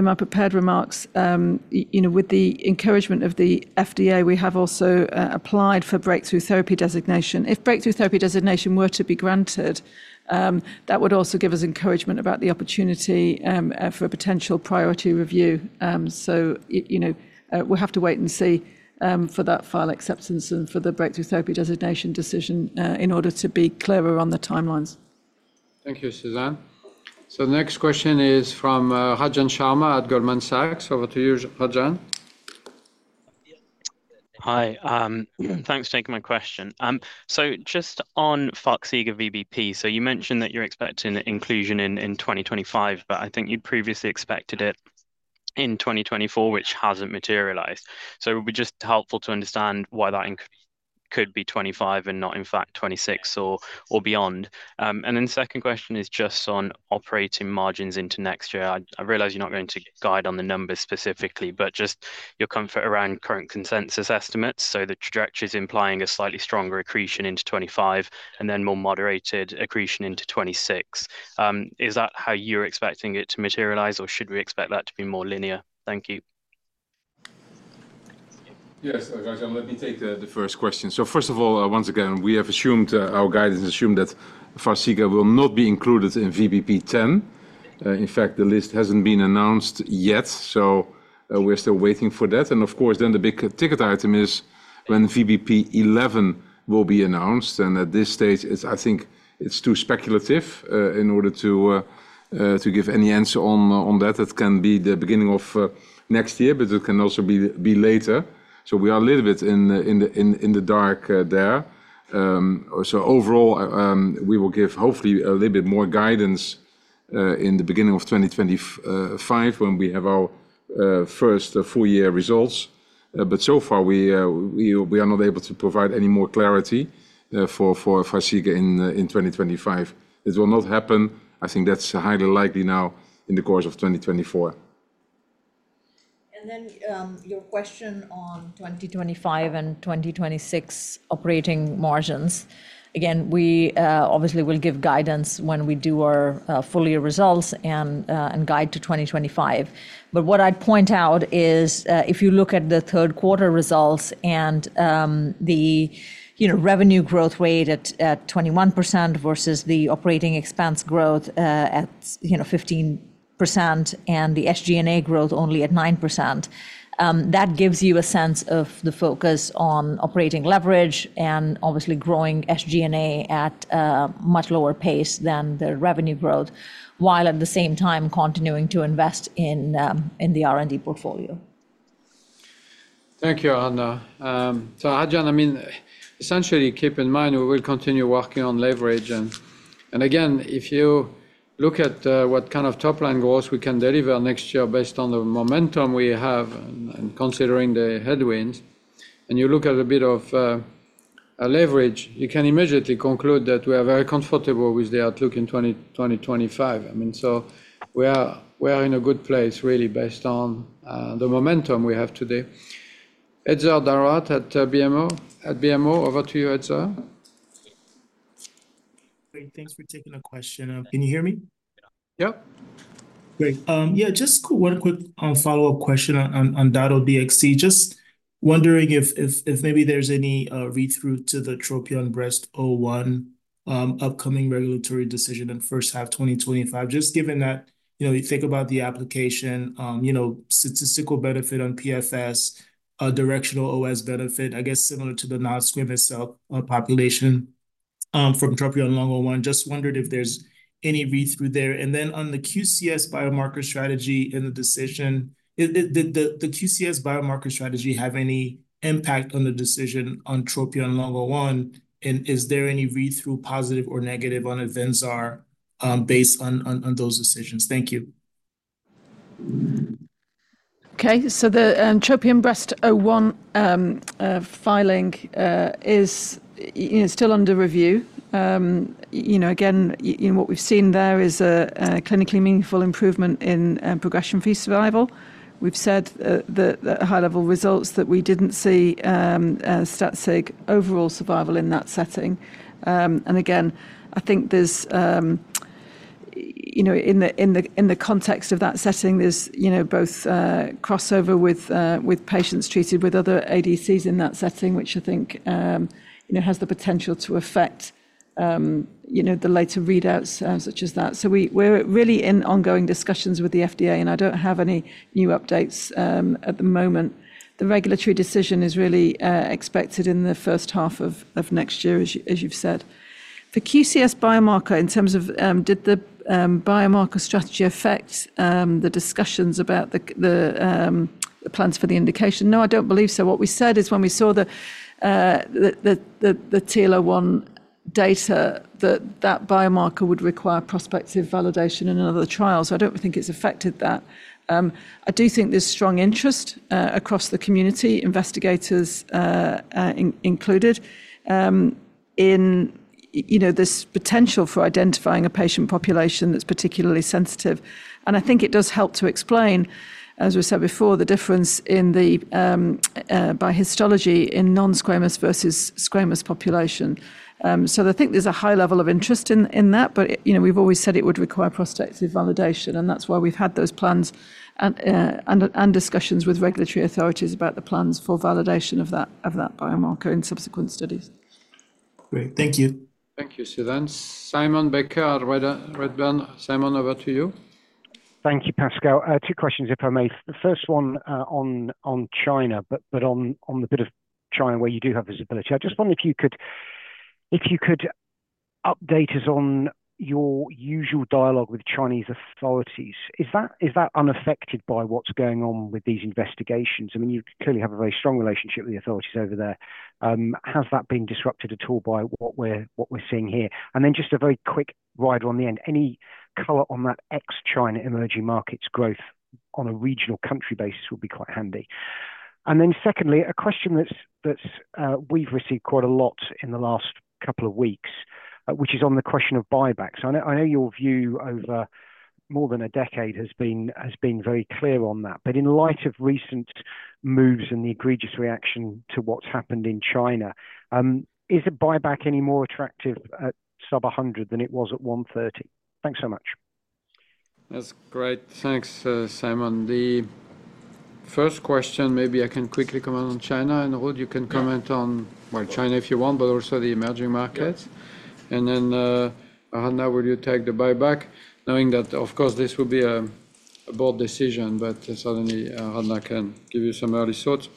my prepared remarks, with the encouragement of the FDA, we have also applied for breakthrough therapy designation. If breakthrough therapy designation were to be granted, that would also give us encouragement about the opportunity for a potential priority review. We will have to wait and see for that file acceptance and for the breakthrough therapy designation decision in order to be clearer on the timelines. Thank you, Susan. So the next question is from Rajan Sharma at Goldman Sachs. Over to you, Rajan. Hi. Thanks for taking my question. So just on Farxiga VBP, so you mentioned that you're expecting inclusion in 2025, but I think you'd previously expected it in 2024, which hasn't materialized. So it would be just helpful to understand why that could be 2025 and not, in fact, 2026 or beyond. And then the second question is just on operating margins into next year. I realize you're not going to guide on the numbers specifically, but just your comfort around current consensus estimates. So the trajectory is implying a slightly stronger accretion into 2025 and then more moderated accretion into 2026. Is that how you're expecting it to materialize, or should we expect that to be more linear? Thank you. Yes, Rajan, let me take the first question. So first of all, once again, we have assumed our guidance assumed that Farxiga will not be included in VBP 10. In fact, the list hasn't been announced yet, so we're still waiting for that. And of course, then the big ticket item is when VBP 11 will be announced. And at this stage, I think it's too speculative in order to give any answer on that. It can be the beginning of next year, but it can also be later. So we are a little bit in the dark there. So overall, we will give hopefully a little bit more guidance in the beginning of 2025 when we have our first full year results. But so far, we are not able to provide any more clarity for Farxiga in 2025. It will not happen. I think that's highly likely now in the course of 2024. And then your question on 2025 and 2026 operating margins. Again, we obviously will give guidance when we do our full year results and guide to 2025. But what I'd point out is if you look at the third quarter results and the revenue growth rate at 21% versus the operating expense growth at 15% and the SG&A growth only at 9%, that gives you a sense of the focus on operating leverage and obviously growing SG&A at a much lower pace than the revenue growth, while at the same time continuing to invest in the R&D portfolio. Thank you, Aradhana. So Rajan, I mean, essentially keep in mind we will continue working on leverage. And again, if you look at what kind of top-line growth we can deliver next year based on the momentum we have and considering the headwinds, and you look at a bit of leverage, you can immediately conclude that we are very comfortable with the outlook in 2025. I mean, so we are in a good place really based on the momentum we have today. Etzer Darout at BMO. Over to you, Etzer. Great. Thanks for taking the question. Can you hear me? Yeah. Great. Yeah, just one quick follow-up question on Dato-DXd. Just wondering if maybe there's any read-through to the TROPION-Breast01 upcoming regulatory decision in first half 2025. Just given that you think about the application, statistical benefit on PFS, directional OS benefit, I guess similar to the non-squamous cell population from TROPION-Lung01. Just wondered if there's any read-through there. And then on the QCS biomarker strategy and the decision, did the QCS biomarker strategy have any impact on the decision on TROPION-Lung01? And is there any read-through positive or negative on AVANZAR based on those decisions? Thank you. Okay. So the TROPION-Breast01 filing is still under review. Again, what we've seen there is a clinically meaningful improvement in progression-free survival. We've said that high-level results that we didn't see stat-sig overall survival in that setting. And again, I think in the context of that setting, there's both crossover with patients treated with other ADCs in that setting, which I think has the potential to affect the later readouts such as that. So we're really in ongoing discussions with the FDA, and I don't have any new updates at the moment. The regulatory decision is really expected in the first half of next year, as you've said. The QCS biomarker in terms of did the biomarker strategy affect the discussions about the plans for the indication? No, I don't believe so. What we said is when we saw the TL01 data, that biomarker would require prospective validation in another trial. So I don't think it's affected that. I do think there's strong interest across the community, investigators included, in this potential for identifying a patient population that's particularly sensitive. And I think it does help to explain, as we said before, the difference by histology in non-squamous versus squamous population. So I think there's a high level of interest in that, but we've always said it would require prospective validation, and that's why we've had those plans and discussions with regulatory authorities about the plans for validation of that biomarker in subsequent studies. Great. Thank you. Thank you, Susan. Simon Baker, Redburn. Simon, over to you. Thank you, Pascal. Two questions, if I may. The first one on China, but on the bit of China where you do have visibility. I just wondered if you could update us on your usual dialogue with Chinese authorities. Is that unaffected by what's going on with these investigations? I mean, you clearly have a very strong relationship with the authorities over there. Has that been disrupted at all by what we're seeing here? And then just a very quick rider on the end. Any color on that ex-China emerging markets growth on a regional country basis would be quite handy. And then secondly, a question that we've received quite a lot in the last couple of weeks, which is on the question of buyback. So I know your view over more than a decade has been very clear on that. But in light of recent moves and the egregious reaction to what's happened in China, is a buyback any more attractive at sub 100 than it was at 130? Thanks so much. That's great. Thanks, Simon. The first question, maybe I can quickly comment on China. And Ruud, you can comment on, well, China if you want, but also the emerging markets. And then Aradhana, will you take the buyback? Knowing that, of course, this will be a board decision, but Aradhana can give you some early thoughts.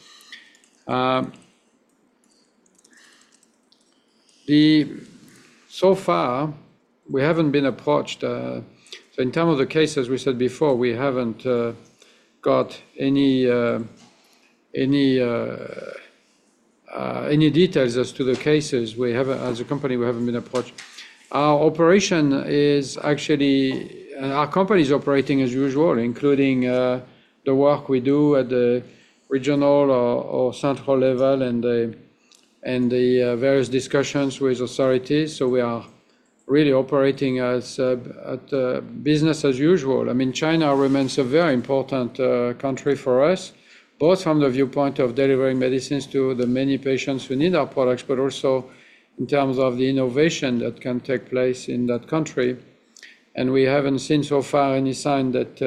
So far, we haven't been approached. So in terms of the cases, we said before, we haven't got any details as to the cases. As a company, we haven't been approached. Our operation is actually, our company is operating as usual, including the work we do at the regional or central level and the various discussions with authorities. So we are really operating as business as usual. I mean, China remains a very important country for us, both from the viewpoint of delivering medicines to the many patients who need our products, but also in terms of the innovation that can take place in that country. And we haven't seen so far any sign that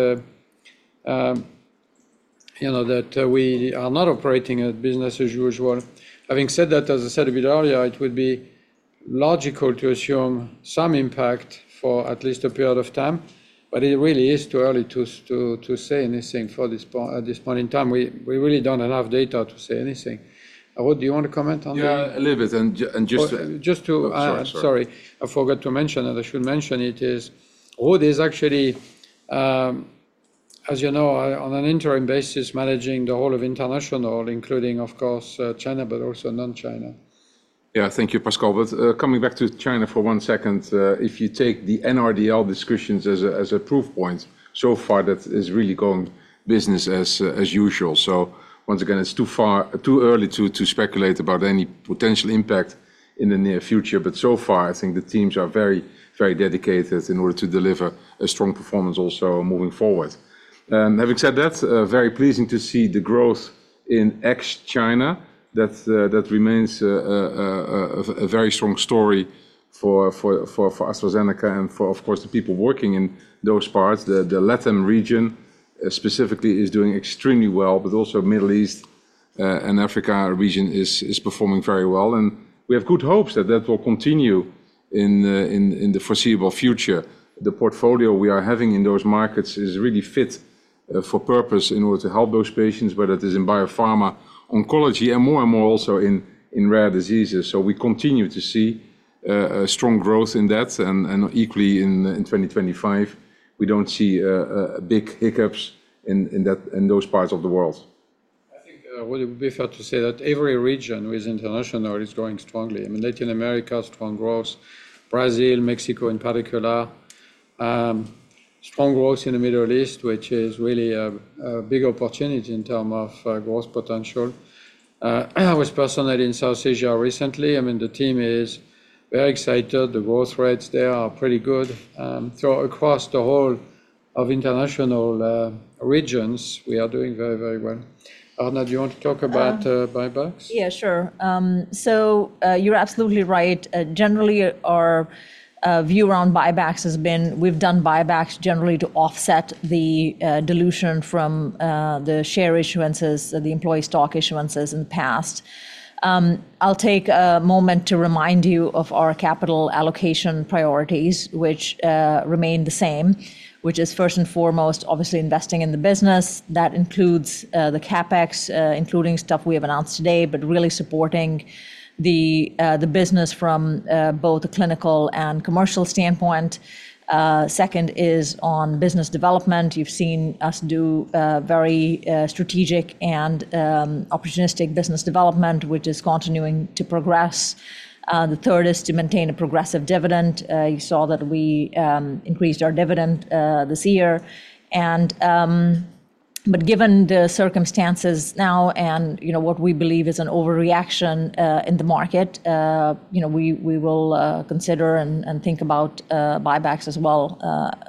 we are not operating as business as usual. Having said that, as I said a bit earlier, it would be logical to assume some impact for at least a period of time, but it really is too early to say anything at this point in time. We really don't have enough data to say anything. Ruud, do you want to comment on that? Yeah, a little bit and just. Just to. Sorry. Sorry. I forgot to mention, and I should mention it is Ruud is actually, as you know, on an interim basis managing the whole of international, including, of course, China, but also non-China. Yeah, thank you, Pascal. But coming back to China for one second, if you take the NRDL discussions as a proof point, so far that is really going business as usual. So once again, it's too early to speculate about any potential impact in the near future. But so far, I think the teams are very, very dedicated in order to deliver a strong performance also moving forward. Having said that, very pleasing to see the growth in ex-China. That remains a very strong story for AstraZeneca and for, of course, the people working in those parts. The Latin region specifically is doing extremely well, but also Middle East and Africa region is performing very well. And we have good hopes that that will continue in the foreseeable future. The portfolio we are having in those markets is really fit for purpose in order to help those patients, whether it is in Biopharma, Oncology, and more and more also in Rare Diseases. So we continue to see strong growth in that, and equally in 2025. We don't see big hiccups in those parts of the world. I think it would be fair to say that every region within International is growing strongly. I mean, Latin America, strong growth, Brazil, Mexico in particular, strong growth in the Middle East, which is really a big opportunity in terms of growth potential. I was personally in South Asia recently. I mean, the team is very excited. The growth rates there are pretty good. So across the whole of International regions, we are doing very, very well. Aradhana, do you want to talk about buybacks? Yeah, sure. So you're absolutely right. Generally, our view around buybacks has been we've done buybacks generally to offset the dilution from the share issuances, the employee stock issuances in the past. I'll take a moment to remind you of our capital allocation priorities, which remain the same, which is first and foremost, obviously investing in the business. That includes the CapEx, including stuff we have announced today, but really supporting the business from both a clinical and commercial standpoint. Second is on business development. You've seen us do very strategic and opportunistic business development, which is continuing to progress. The third is to maintain a progressive dividend. You saw that we increased our dividend this year. But given the circumstances now and what we believe is an overreaction in the market, we will consider and think about buybacks as well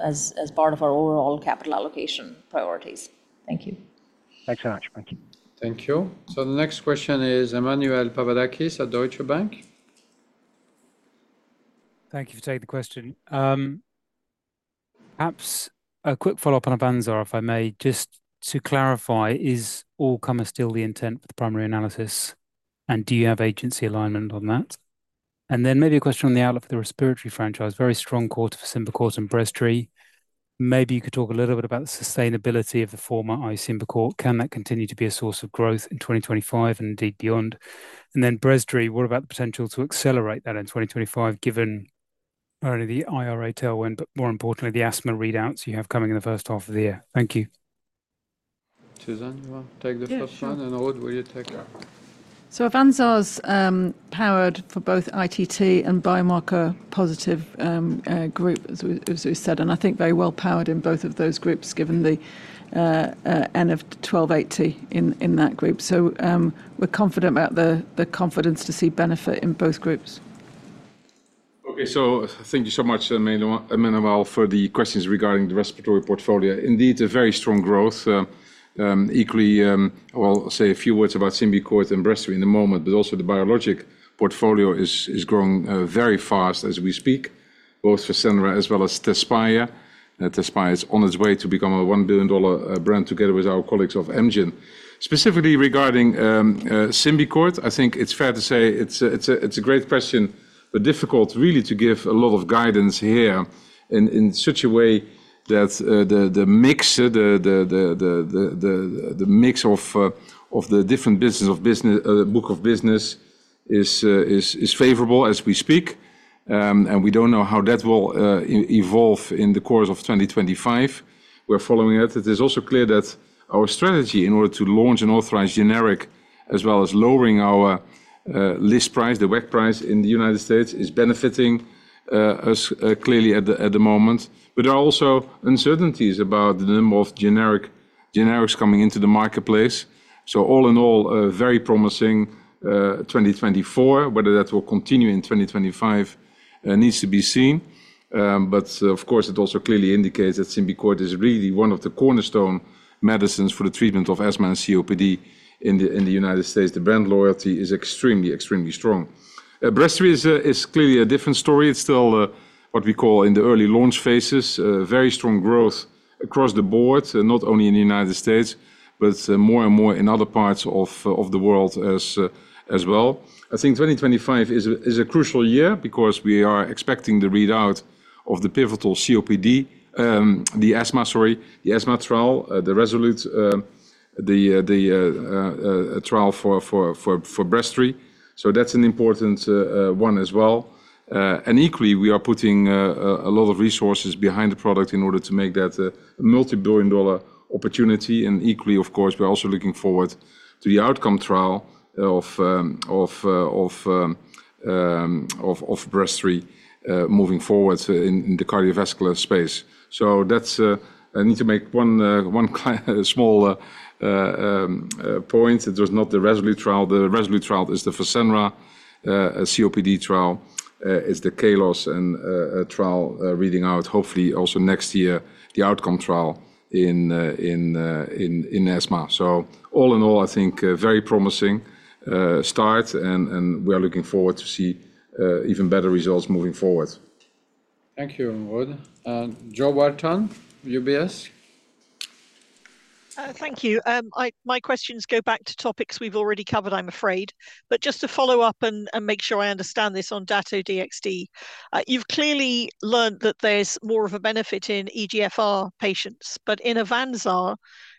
as part of our overall capital allocation priorities. Thank you. Thanks so much. Thank you. Thank you. So the next question is Emmanuel Papadakis at Deutsche Bank. Thank you for taking the question. Perhaps a quick follow-up on AVANZAR, if I may. Just to clarify, is all-comers still the intent for the primary analysis? And do you have agency alignment on that? And then maybe a question on the outlook for the respiratory franchise. Very strong quarter for Symbicort and Breztri. Maybe you could talk a little bit about the sustainability of the former, i.e., Symbicort. Can that continue to be a source of growth in 2025 and indeed beyond? And then Breztri, what about the potential to accelerate that in 2025 given not only the IRA tailwind, but more importantly, the asthma readouts you have coming in the first half of the year? Thank you. Susan, you want to take the first one? And Ruud, will you take it? So AVANZAR's powered for both ITT and biomarker positive group, as we said. And I think very well powered in both of those groups given the N of 1280 in that group. So we're confident about the confidence to see benefit in both groups. Okay, so thank you so much, Emmanuel, for the questions regarding the respiratory portfolio. Indeed, a very strong growth. Equally, I'll say a few words about Symbicort and Breztri in a moment, but also the biologic portfolio is growing very fast as we speak, both for Fasenra as well as Tezspire. Tezspire is on its way to become a $1 billion brand together with our colleagues of Amgen. Specifically regarding Symbicort, I think it's fair to say it's a great question, but difficult really to give a lot of guidance here in such a way that the mix of the different business of book of business is favorable as we speak, and we don't know how that will evolve in the course of 2025. We're following it. It is also clear that our strategy in order to launch an authorized generic as well as lowering our list price, the WAC price in the United States, is benefiting us clearly at the moment. But there are also uncertainties about the number of generics coming into the marketplace. So all in all, a very promising 2024, whether that will continue in 2025 needs to be seen. But of course, it also clearly indicates that Symbicort is really one of the cornerstone medicines for the treatment of asthma and COPD in the United States. The brand loyalty is extremely, extremely strong. Breztri is clearly a different story. It's still what we call in the early launch phases, very strong growth across the board, not only in the United States, but more and more in other parts of the world as well. I think 2025 is a crucial year because we are expecting the readout of the pivotal COPD, the asthma trial, the RESOLUTE trial for Breztri. So that's an important one as well. And equally, we are putting a lot of resources behind the product in order to make that a multi-billion dollar opportunity. And equally, of course, we're also looking forward to the outcome trial of Breztri moving forward in the cardiovascular space. So I need to make one small point. It was not the RESOLUTE trial. The RESOLUTE trial is the Fasenra COPD trial. It's the KALOS trial reading out, hopefully also next year, the outcome trial in asthma. So all in all, I think very promising start, and we are looking forward to see even better results moving forward. Thank you, Ruud. And Jo Walton, UBS. Thank you. My questions go back to topics we've already covered, I'm afraid. But just to follow up and make sure I understand this on Dato-DXd, you've clearly learned that there's more of a benefit in EGFR patients. But in AVANZAR,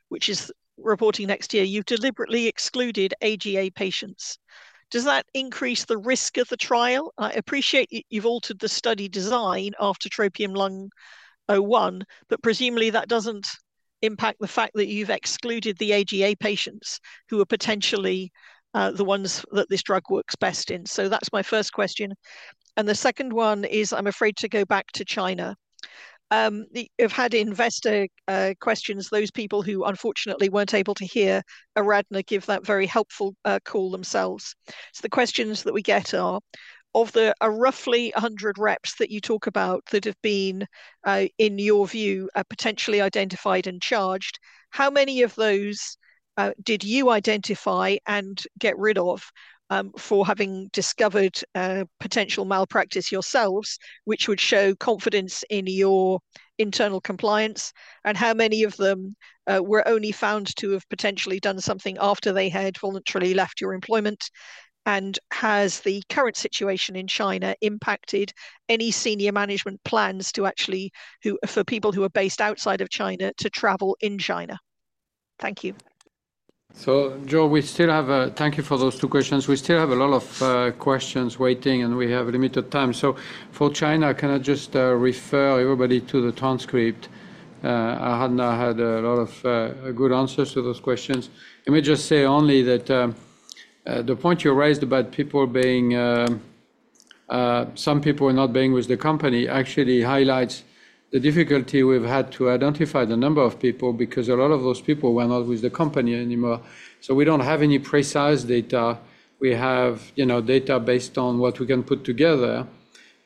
which is reporting next year, you've deliberately excluded AGA patients. Does that increase the risk of the trial? I appreciate you've altered the study design after TROPION-Lung01, but presumably that doesn't impact the fact that you've excluded the AGA patients who are potentially the ones that this drug works best in. So that's my first question. And the second one is, I'm afraid to go back to China. You've had investor questions, those people who unfortunately weren't able to hear Aradhana give that very helpful call themselves. So the questions that we get are, of the roughly 100 reps that you talk about that have been, in your view, potentially identified and charged, how many of those did you identify and get rid of for having discovered potential malpractice yourselves, which would show confidence in your internal compliance? And how many of them were only found to have potentially done something after they had voluntarily left your employment? And has the current situation in China impacted any senior management plans to actually, for people who are based outside of China, to travel in China? Thank you. So, Jo, thank you for those two questions. We still have a lot of questions waiting, and we have limited time. For China, can I just refer everybody to the transcript? Aradhana had a lot of good answers to those questions. Let me just say only that the point you raised about people being, some people not being with the company actually highlights the difficulty we've had to identify the number of people because a lot of those people were not with the company anymore. We don't have any precise data. We have data based on what we can put together,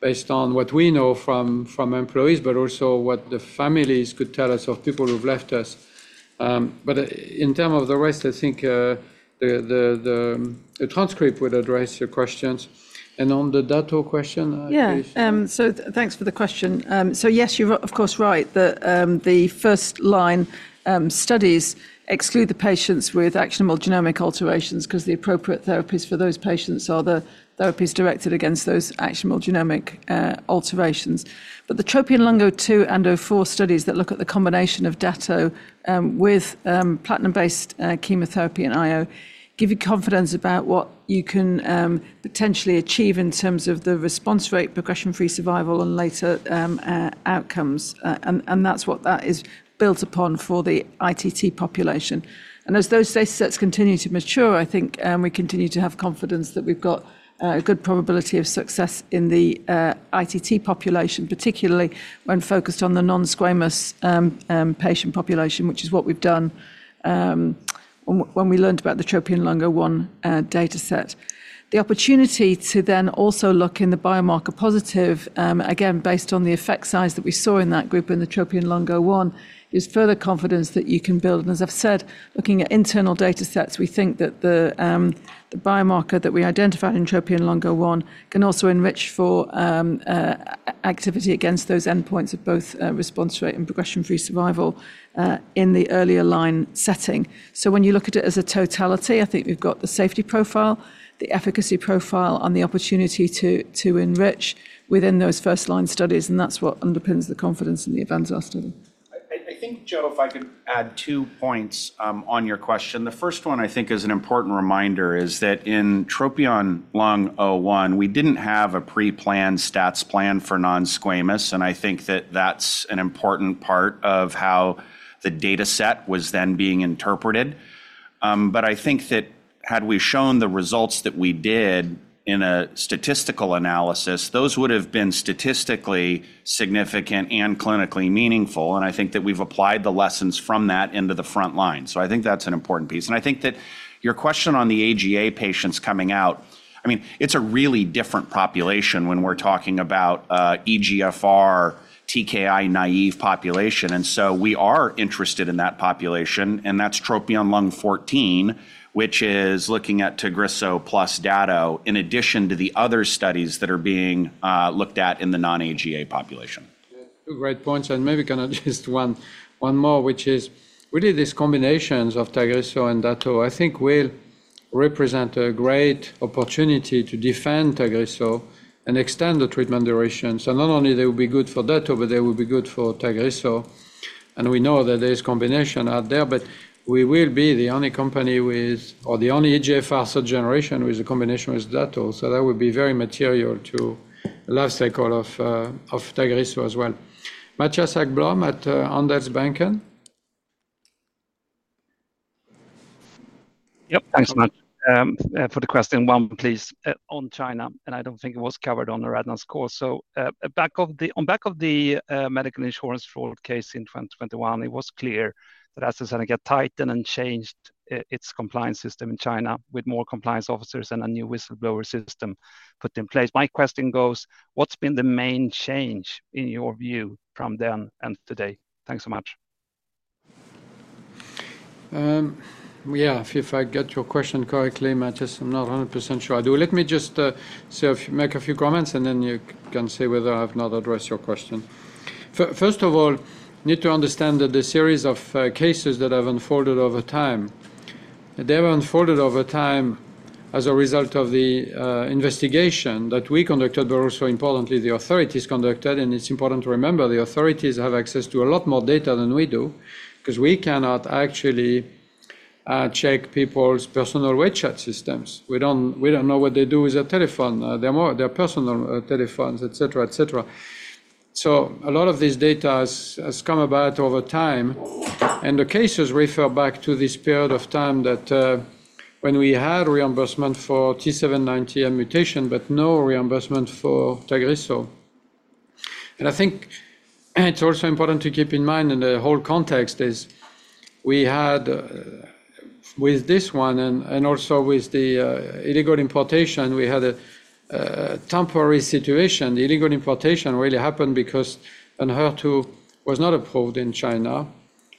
based on what we know from employees, but also what the families could tell us of people who've left us. But in terms of the rest, I think the transcript would address your questions. On the Dato question, please. Yeah, so thanks for the question. So yes, you're of course right that the first line studies exclude the patients with actionable genomic alterations because the appropriate therapies for those patients are the therapies directed against those actionable genomic alterations. But the TROPION-Lung02 and TROPION-Lung04 studies that look at the combination of Dato with platinum-based chemotherapy and IO give you confidence about what you can potentially achieve in terms of the response rate, progression-free survival, and later outcomes. And that's what that is built upon for the ITT population. And as those datasets continue to mature, I think we continue to have confidence that we've got a good probability of success in the ITT population, particularly when focused on the non-squamous patient population, which is what we've done when we learned about the TROPION-Lung01 dataset. The opportunity to then also look in the biomarker positive, again, based on the effect size that we saw in that group in the TROPION-Lung01, is further confidence that you can build. And as I've said, looking at internal datasets, we think that the biomarker that we identified in TROPION-Lung01 can also enrich for activity against those endpoints of both response rate and progression-free survival in the earlier line setting. So when you look at it as a totality, I think we've got the safety profile, the efficacy profile, and the opportunity to enrich within those first line studies. And that's what underpins the confidence in the AVANZAR study. I think, Jo, if I could add two points on your question. The first one, I think, is an important reminder is that in TROPION-Lung01, we didn't have a pre-planned stats plan for non-squamous. And I think that that's an important part of how the dataset was then being interpreted. But I think that had we shown the results that we did in a statistical analysis, those would have been statistically significant and clinically meaningful. And I think that we've applied the lessons from that into the front line. So I think that's an important piece. And I think that your question on the AGA patients coming out, I mean, it's a really different population when we're talking about EGFR, TKI-naive population. And so we are interested in that population. That's TROPION-Lung14, which is looking at Tagrisso plus Dato in addition to the other studies that are being looked at in the non-AGA population. Great points. And maybe kind of just one more, which is really these combinations of Tagrisso and Dato, I think will represent a great opportunity to defend Tagrisso and extend the treatment duration. So not only they will be good for Dato, but they will be good for Tagrisso. And we know that there is combination out there, but we will be the only company with, or the only EGFR third generation with a combination with Dato. So that would be very material to the lifecycle of Tagrisso as well. Mattias Häggblom at Handelsbanken. Yep, thanks so much for the question. One, please. On China, and I don't think it was covered on Aradhana's call. So on back of the medical insurance fraud case in 2021, it was clear that AstraZeneca tightened and changed its compliance system in China with more compliance officers and a new whistleblower system put in place. My question goes, what's been the main change in your view from then and today? Thanks so much. Yeah, if I got your question correctly, Mattias, I'm not 100% sure. I do. Let me just make a few comments, and then you can say whether I have not addressed your question. First of all, I need to understand that the series of cases that have unfolded over time, they have unfolded over time as a result of the investigation that we conducted, but also importantly, the authorities conducted. It's important to remember the authorities have access to a lot more data than we do because we cannot actually check people's personal WeChat systems. We don't know what they do with their telephone. They're personal telephones, et cetera, et cetera. So a lot of this data has come about over time. The cases refer back to this period of time that when we had reimbursement for T790M mutation, but no reimbursement for Tagrisso. I think it's also important to keep in mind in the whole context is we had with this one and also with the illegal importation, we had a temporary situation. The illegal importation really happened because Enhertu was not approved in China.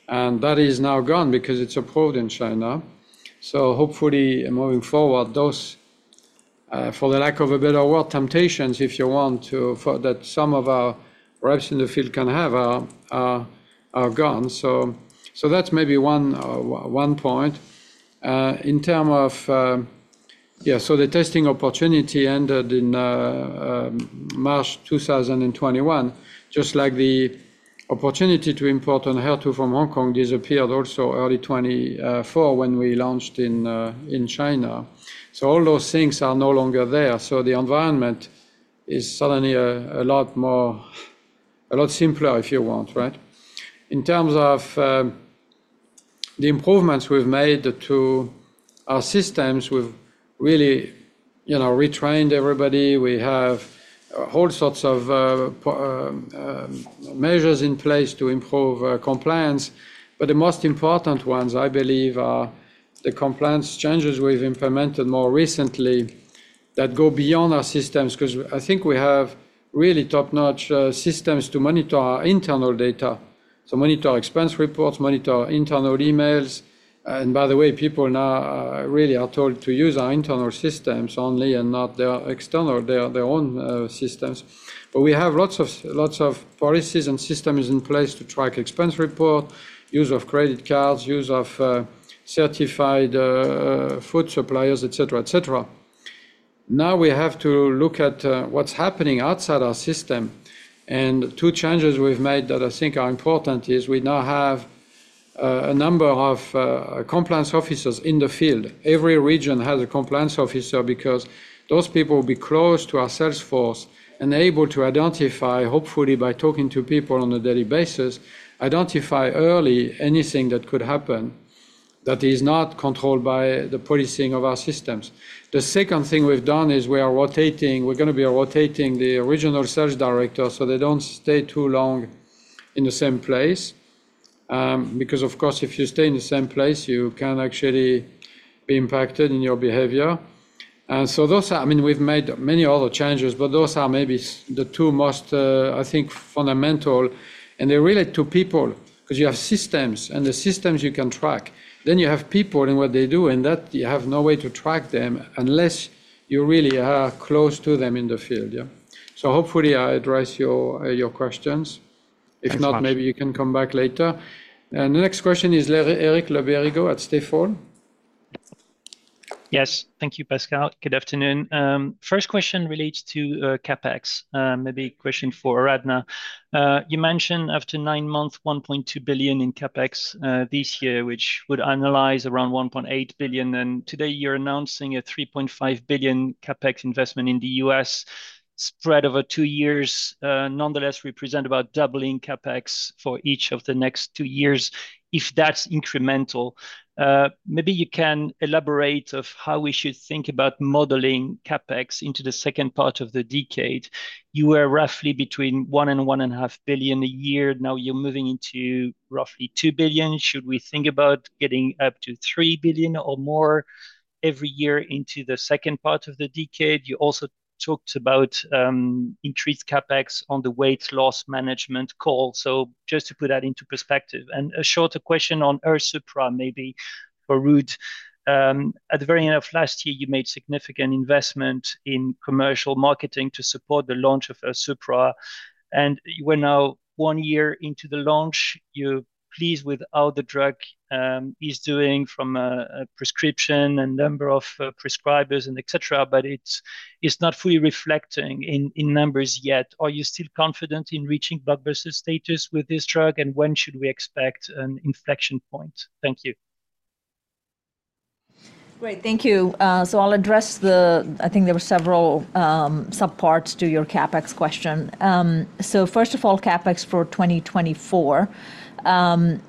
And that is now gone because it's approved in China. So hopefully moving forward, those, for the lack of a better word, temptations, if you want to, that some of our reps in the field can have are gone. So that's maybe one point. In terms of, yeah, so the testing opportunity ended in March 2021, just like the opportunity to import Enhertu from Hong Kong disappeared also early 2024 when we launched in China. So all those things are no longer there. So the environment is suddenly a lot simpler, if you want, right? In terms of the improvements we've made to our systems, we've really retrained everybody. We have all sorts of measures in place to improve compliance. But the most important ones, I believe, are the compliance changes we've implemented more recently that go beyond our systems because I think we have really top-notch systems to monitor our internal data, so monitor expense reports, monitor internal emails, and by the way, people now really are told to use our internal systems only and not their external, their own systems, but we have lots of policies and systems in place to track expense report, use of credit cards, use of certified food suppliers, et cetera, et cetera. Now we have to look at what's happening outside our system, and two changes we've made that I think are important is we now have a number of compliance officers in the field. Every region has a compliance officer because those people will be close to our sales force and able to identify, hopefully by talking to people on a daily basis, identify early anything that could happen that is not controlled by the policing of our systems. The second thing we've done is we are rotating, we're going to be rotating the regional sales directors so they don't stay too long in the same place because, of course, if you stay in the same place, you can actually be impacted in your behavior. And so those are, I mean, we've made many other changes, but those are maybe the two most, I think, fundamental. And they relate to people because you have systems and the systems you can track. Then you have people and what they do, and that you have no way to track them unless you really are close to them in the field. Yeah. So hopefully I address your questions. If not, maybe you can come back later. And the next question is Eric Le Berrigaud at Stifel. Yes, thank you, Pascal. Good afternoon. First question relates to CapEx. Maybe question for Aradhana. You mentioned after nine months, $1.2 billion in CapEx this year, which would annualize around $1.8 billion. And today you're announcing a $3.5 billion CapEx investment in the U.S. spread over two years. Nonetheless, that represents about doubling CapEx for each of the next two years, if that's incremental. Maybe you can elaborate on how we should think about modeling CapEx into the second part of the decade. You were roughly between $1 billion and $1.5 billion a year. Now you're moving into roughly $2 billion. Should we think about getting up to $3 billion or more every year into the second part of the decade? You also talked about increased CapEx on the weight loss management call. So just to put that into perspective. A shorter question on Airsupra, maybe for Ruud. At the very end of last year, you made significant investment in commercial marketing to support the launch of Airsupra. And we're now one year into the launch. You're pleased with how the drug is doing from a prescription and number of prescribers, et cetera, but it's not fully reflecting in numbers yet. Are you still confident in reaching blockbuster status with this drug? And when should we expect an inflection point? Thank you. Great, thank you. So I'll address the, I think there were several subparts to your CapEx question. So first of all, CapEx for 2024.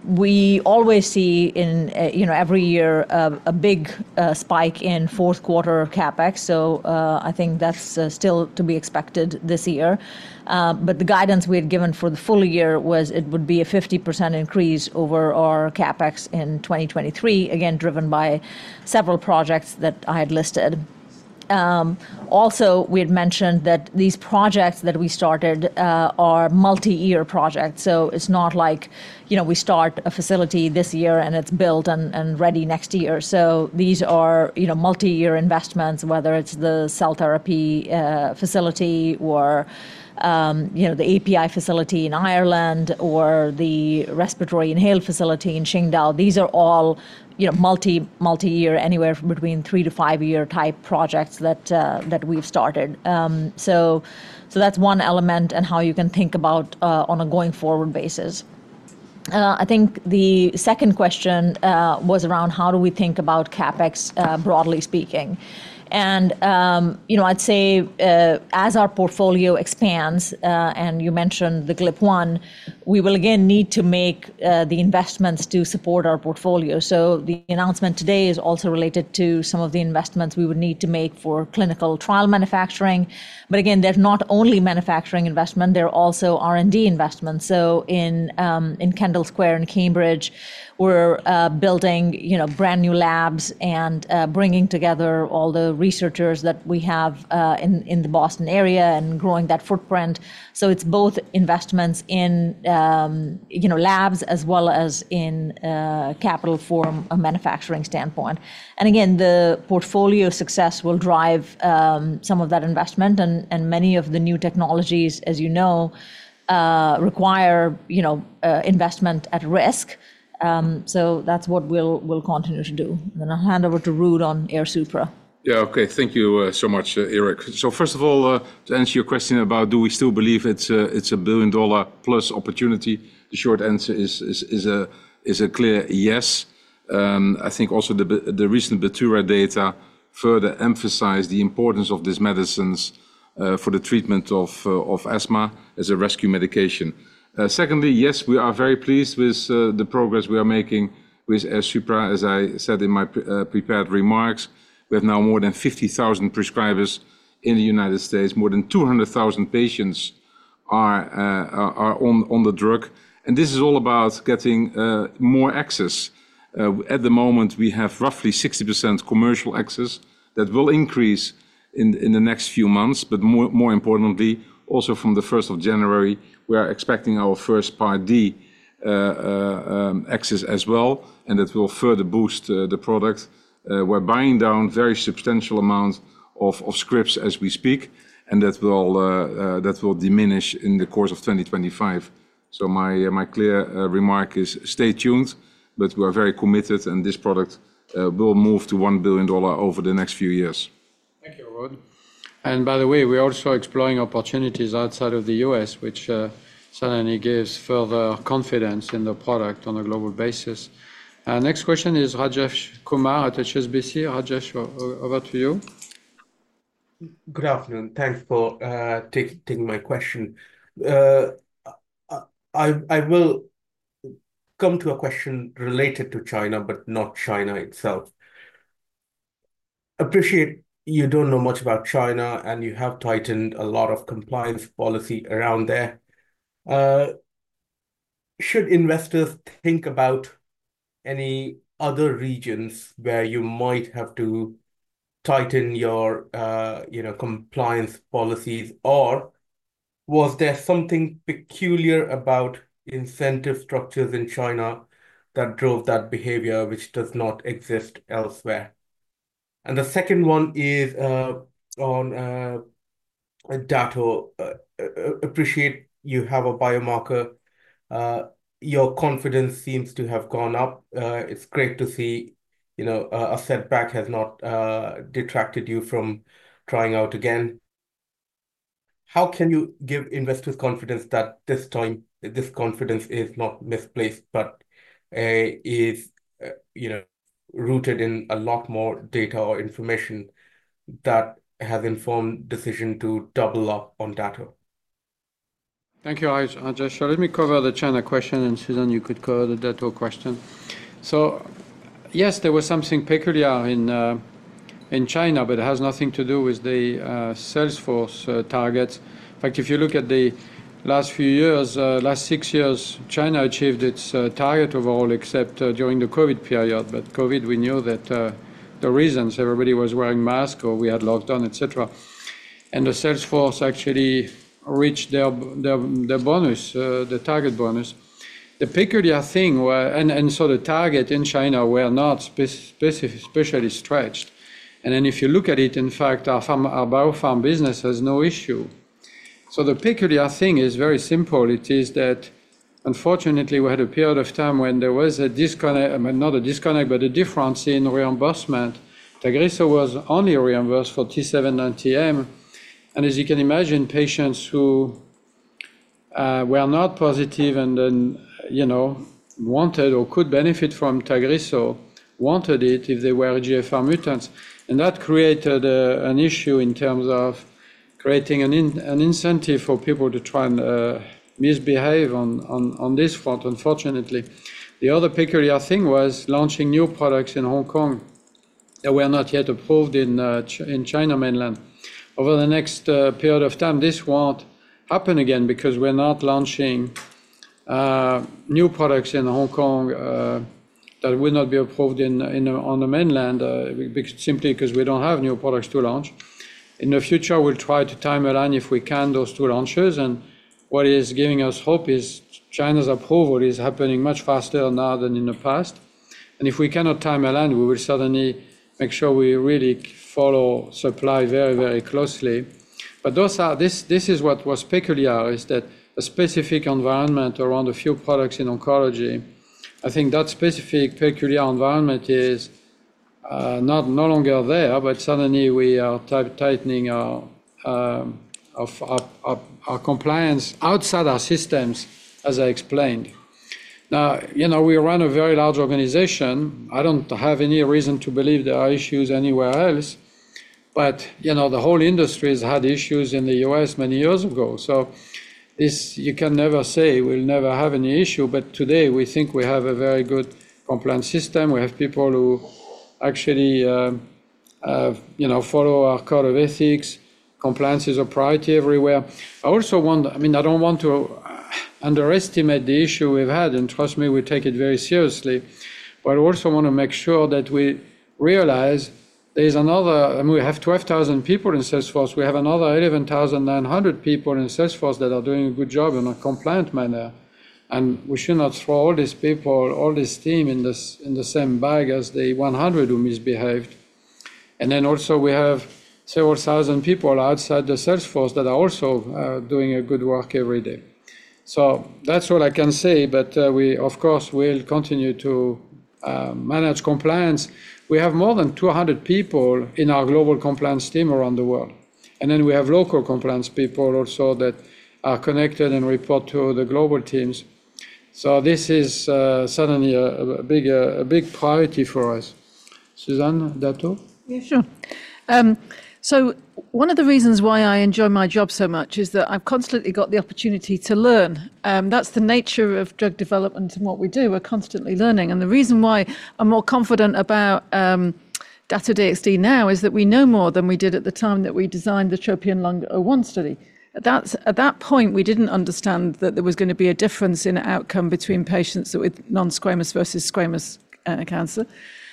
We always see in every year a big spike in fourth quarter CapEx. So I think that's still to be expected this year. But the guidance we had given for the full year was it would be a 50% increase over our CapEx in 2023, again, driven by several projects that I had listed. Also, we had mentioned that these projects that we started are multi-year projects. So it's not like we start a facility this year and it's built and ready next year. So these are multi-year investments, whether it's the cell therapy facility or the API facility in Ireland or the respiratory inhaler facility in Qingdao. These are all multi-year, anywhere between three- to five-year type projects that we've started. So that's one element and how you can think about on a going forward basis. I think the second question was around how do we think about CapEx broadly speaking. And I'd say as our portfolio expands, and you mentioned the GLP-1, we will again need to make the investments to support our portfolio. So the announcement today is also related to some of the investments we would need to make for clinical trial manufacturing. But again, they're not only manufacturing investment, they're also R&D investments. So in Kendall Square in Cambridge, we're building brand new labs and bringing together all the researchers that we have in the Boston area and growing that footprint. So it's both investments in labs as well as in capital from a manufacturing standpoint. And again, the portfolio success will drive some of that investment. And many of the new technologies, as you know, require investment at risk. So that's what we'll continue to do. And then I'll hand over to Ruud on Airsupra. Yeah, okay. Thank you so much, Eric. So first of all, to answer your question about do we still believe it's a billion-dollar-plus opportunity, the short answer is a clear yes. I think also the recent BATURA data further emphasized the importance of these medicines for the treatment of asthma as a rescue medication. Secondly, yes, we are very pleased with the progress we are making with Airsupra, as I said in my prepared remarks. We have now more than 50,000 prescribers in the United States. More than 200,000 patients are on the drug. And this is all about getting more access. At the moment, we have roughly 60% commercial access that will increase in the next few months. But more importantly, also from the 1st of January, we are expecting our first Part D access as well. And that will further boost the product. We're buying down very substantial amounts of scripts as we speak. And that will diminish in the course of 2025. So my clear remark is stay tuned, but we are very committed and this product will move to $1 billion over the next few years. Thank you, Ruud. And by the way, we are also exploring opportunities outside of the U.S., which certainly gives further confidence in the product on a global basis. Next question is Rajesh Kumar at HSBC. Rajesh, over to you. Good afternoon. Thanks for taking my question. I will come to a question related to China, but not China itself. I appreciate you don't know much about China and you have tightened a lot of compliance policy around there. Should investors think about any other regions where you might have to tighten your compliance policies, or was there something peculiar about incentive structures in China that drove that behavior, which does not exist elsewhere? And the second one is on Dato. I appreciate you have a biomarker. Your confidence seems to have gone up. It's great to see a setback has not detracted you from trying out again. How can you give investors confidence that this time this confidence is not misplaced, but is rooted in a lot more data or information that has informed decision to double up on Dato? Thank you, Rajesh. So let me cover the China question, and Susan, you could cover the data question. So yes, there was something peculiar in China, but it has nothing to do with the sales force targets. In fact, if you look at the last few years, last six years, China achieved its target overall, except during the COVID period. But COVID, we knew that the reasons everybody was wearing masks or we had lockdown, et cetera. And the sales force actually reached their bonus, the target bonus. The peculiar thing, and so the target in China were not specifically stretched. And then if you look at it, in fact, our BioPharma business has no issue. So the peculiar thing is very simple. It is that unfortunately, we had a period of time when there was a disconnect, not a disconnect, but a difference in reimbursement. Tagrisso was only reimbursed for T790M. And as you can imagine, patients who were not positive and then wanted or could benefit from Tagrisso wanted it if they were EGFR mutants. And that created an issue in terms of creating an incentive for people to try and misbehave on this front, unfortunately. The other peculiar thing was launching new products in Hong Kong that were not yet approved in China mainland. Over the next period of time, this won't happen again because we're not launching new products in Hong Kong that will not be approved on the mainland simply because we don't have new products to launch. In the future, we'll try to time align if we can those two launches. And what is giving us hope is China's approval is happening much faster now than in the past. And if we cannot time align, we will suddenly make sure we really follow supply very, very closely. But this is what was peculiar, is that a specific environment around a few products in oncology. I think that specific peculiar environment is no longer there, but suddenly we are tightening our compliance outside our systems, as I explained. Now, we run a very large organization. I don't have any reason to believe there are issues anywhere else. But the whole industry has had issues in the U.S. many years ago. So you can never say we'll never have any issue. But today we think we have a very good compliance system. We have people who actually follow our code of ethics. Compliance is a priority everywhere. I also want, I mean, I don't want to underestimate the issue we've had. And trust me, we take it very seriously. But I also want to make sure that we realize there is another. I mean, we have 12,000 people in sales force. We have another 11,900 people in sales force that are doing a good job in a compliant manner. And we should not throw all these people, all this team in the same bag as the 100 who misbehaved. And then also we have several thousand people outside the sales force that are also doing good work every day. So that's all I can say. But we, of course, will continue to manage compliance. We have more than 200 people in our global compliance team around the world. And then we have local compliance people also that are connected and report to the global teams. So this is suddenly a big priority for us. Susan, Dato? Yeah, sure. So one of the reasons why I enjoy my job so much is that I've constantly got the opportunity to learn. That's the nature of drug development and what we do. We're constantly learning. And the reason why I'm more confident about Dato-DXd now is that we know more than we did at the time that we designed the TROPION-Lung01 study. At that point, we didn't understand that there was going to be a difference in outcome between patients with non-squamous versus squamous cancer.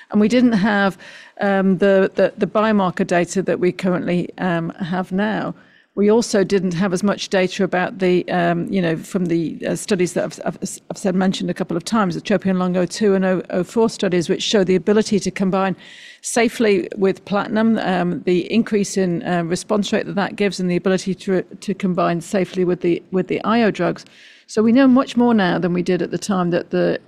And we didn't have the biomarker data that we currently have now. We also didn't have as much data from the studies that I've mentioned a couple of times, the TROPION-Lung02 and TROPION-Lung04 studies, which show the ability to combine safely with platinum, the increase in response rate that that gives, and the ability to combine safely with the IO drugs. We know much more now than we did at the time that the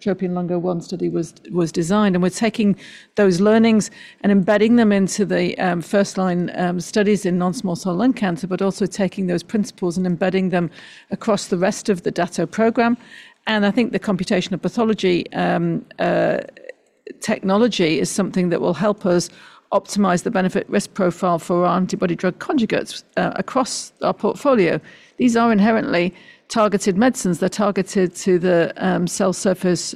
TROPION-Lung01 study was designed. We're taking those learnings and embedding them into the first-line studies in non-small cell lung cancer, but also taking those principles and embedding them across the rest of the Dato program. I think the computational pathology technology is something that will help us optimize the benefit-risk profile for our antibody-drug conjugates across our portfolio. These are inherently targeted medicines. They're targeted to the cell surface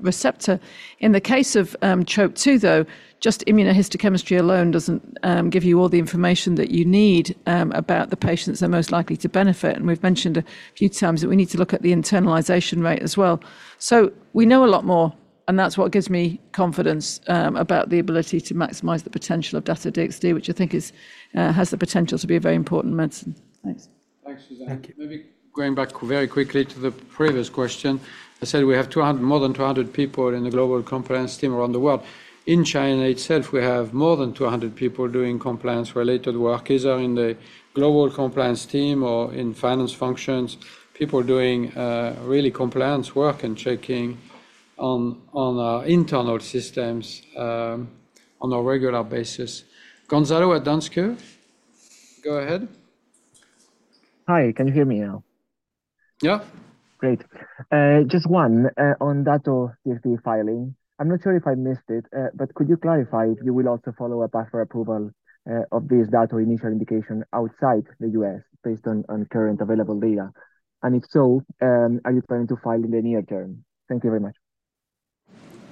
receptor. In the case of TROP2, though, just immunohistochemistry alone doesn't give you all the information that you need about the patients that are most likely to benefit. We've mentioned a few times that we need to look at the internalization rate as well. So we know a lot more, and that's what gives me confidence about the ability to maximize the potential of Dato-DXd, which I think has the potential to be a very important medicine. Thanks. Thanks, Susan. Thank you. Maybe going back very quickly to the previous question. I said we have more than 200 people in the global compliance team around the world. In China itself, we have more than 200 people doing compliance-related work, either in the global compliance team or in finance functions, people doing really compliance work and checking on our internal systems on a regular basis. Gonzalo at Danske Bank, go ahead. Hi, can you hear me now? Yeah. Great. Just one on Dato-DXd filing. I'm not sure if I missed it, but could you clarify if you will also follow up after approval of this Dato initial indication outside the U.S. based on current available data? And if so, are you planning to file in the near term? Thank you very much.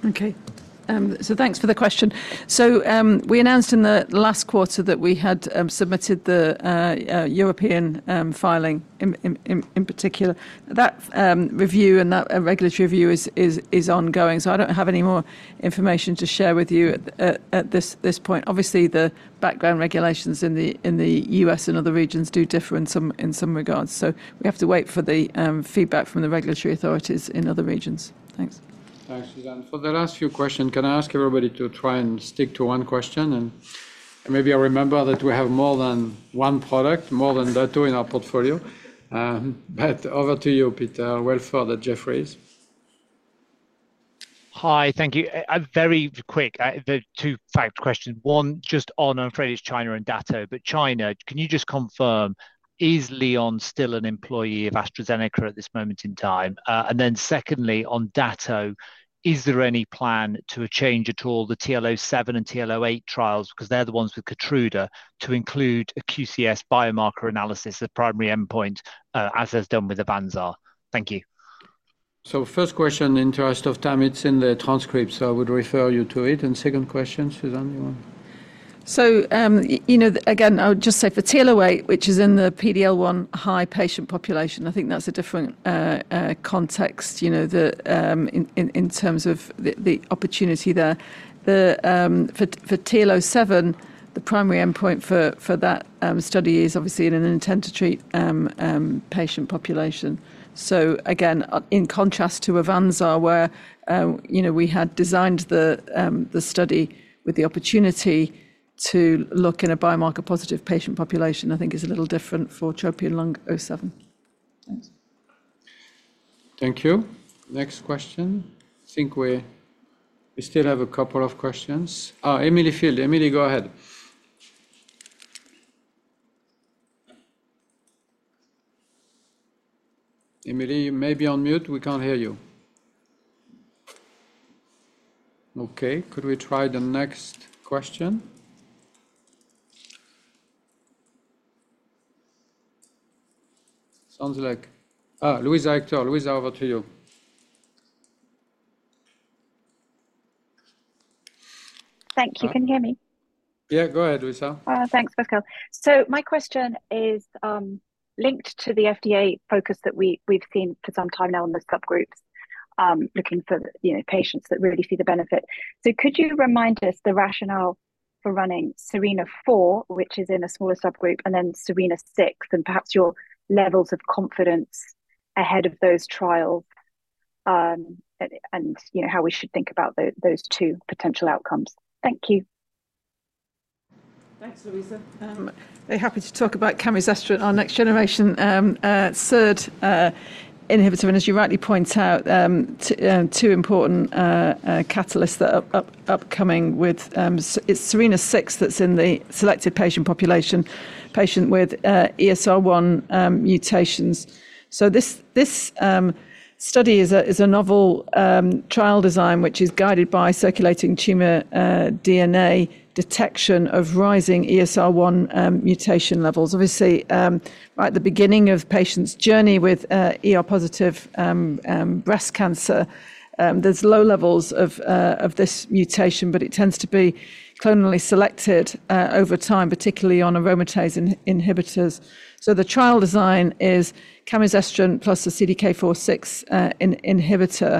Okay. So thanks for the question. So we announced in the last quarter that we had submitted the European filing in particular. That review and that regulatory review is ongoing. So I don't have any more information to share with you at this point. Obviously, the background regulations in the U.S. and other regions do differ in some regards. So we have to wait for the feedback from the regulatory authorities in other regions. Thanks. Thanks, Susan. For the last few questions, can I ask everybody to try and stick to one question? And just a reminder that we have more than one product, more than Dato in our portfolio. But over to you, Peter Welford at Jefferies. Hi, thank you. Very quick, the two-part question. One, just on, I'm afraid it's China and Dato. But China, can you just confirm, is Leon still an employee of AstraZeneca at this moment in time? And then secondly, on Dato, is there any plan to change at all the TL07 and TL08 trials, because they're the ones with Keytruda, to include a QCS biomarker analysis as a primary endpoint, as has done with AVANZAR? Thank you. So first question, in the interest of time, it's in the transcript, so I would refer you to it. And second question, Susan, do you want? So again, I would just say for TL08, which is in the PD-L1 high patient population, I think that's a different context in terms of the opportunity there. For TL07, the primary endpoint for that study is obviously in an intent-to-treat patient population. So again, in contrast to AVANZAR, where we had designed the study with the opportunity to look in a biomarker-positive patient population, I think it is a little different for TROPION-Lung07. Thanks. Thank you. Next question. I think we still have a couple of questions. Oh, Emily Field, Emily, go ahead. Emily, you may be on mute. We can't hear you. Okay. Could we try the next question? Sounds like Luisa Hector, Luisa, over to you. Thank you. Can you hear me? Yeah, go ahead, Luisa. Thanks, Pascal. So my question is linked to the FDA focus that we've seen for some time now on the subgroups looking for patients that really see the benefit. So could you remind us the rationale for running SERENA-4, which is in a smaller subgroup, and then SERENA-6, and perhaps your levels of confidence ahead of those trials and how we should think about those two potential outcomes? Thank you. Thanks, Luisa. Very happy to talk about Camizestrant, our next-generation SERD inhibitor. As you rightly point out, two important catalysts that are upcoming with its SERENA-6 that's in the selected patient population, patients with ESR1 mutations. This study is a novel trial design, which is guided by circulating tumor DNA detection of rising ESR1 mutation levels. Obviously, right at the beginning of patients' journey with ER-positive breast cancer, there's low levels of this mutation, but it tends to be clonally selected over time, particularly on aromatase inhibitors. The trial design is Camizestrant plus a CDK4/6 inhibitor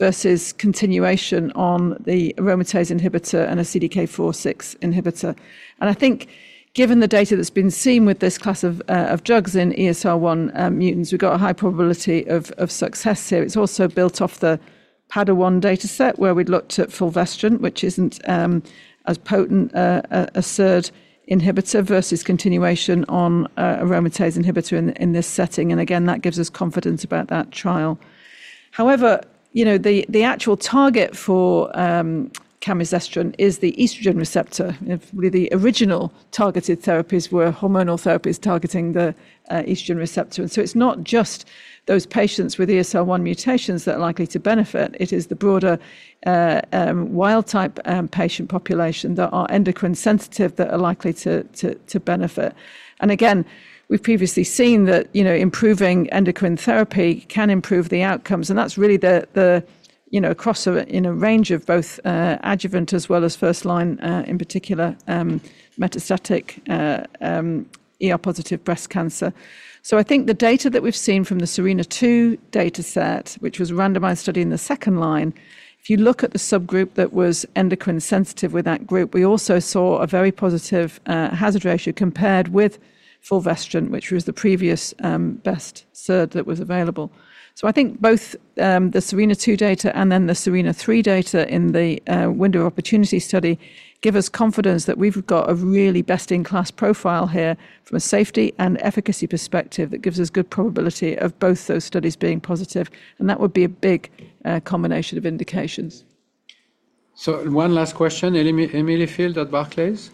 versus continuation on the aromatase inhibitor and a CDK4/6 inhibitor. I think given the data that's been seen with this class of drugs in ESR1 mutants, we've got a high probability of success here. It's also built off the PADA-1 dataset, where we'd looked at fulvestrant, which isn't as potent a SERD inhibitor versus continuation on aromatase inhibitor in this setting. And again, that gives us confidence about that trial. However, the actual target for Camizestrant is the estrogen receptor. The original targeted therapies were hormonal therapies targeting the estrogen receptor. And so it's not just those patients with ESR1 mutations that are likely to benefit. It is the broader wild-type patient population that are endocrine sensitive that are likely to benefit. And again, we've previously seen that improving endocrine therapy can improve the outcomes. And that's really across a range of both adjuvant as well as first-line, in particular, metastatic ER-positive breast cancer. I think the data that we've seen from the SERENA-2 dataset, which was a randomized study in the second line, if you look at the subgroup that was endocrine sensitive with that group, we also saw a very positive hazard ratio compared with fulvestrant, which was the previous best SERD that was available. I think both the SERENA-2 data and then the SERENA-3 data in the window of opportunity study give us confidence that we've got a really best-in-class profile here from a safety and efficacy perspective that gives us good probability of both those studies being positive. That would be a big combination of indications. So one last question, Emily Field at Barclays.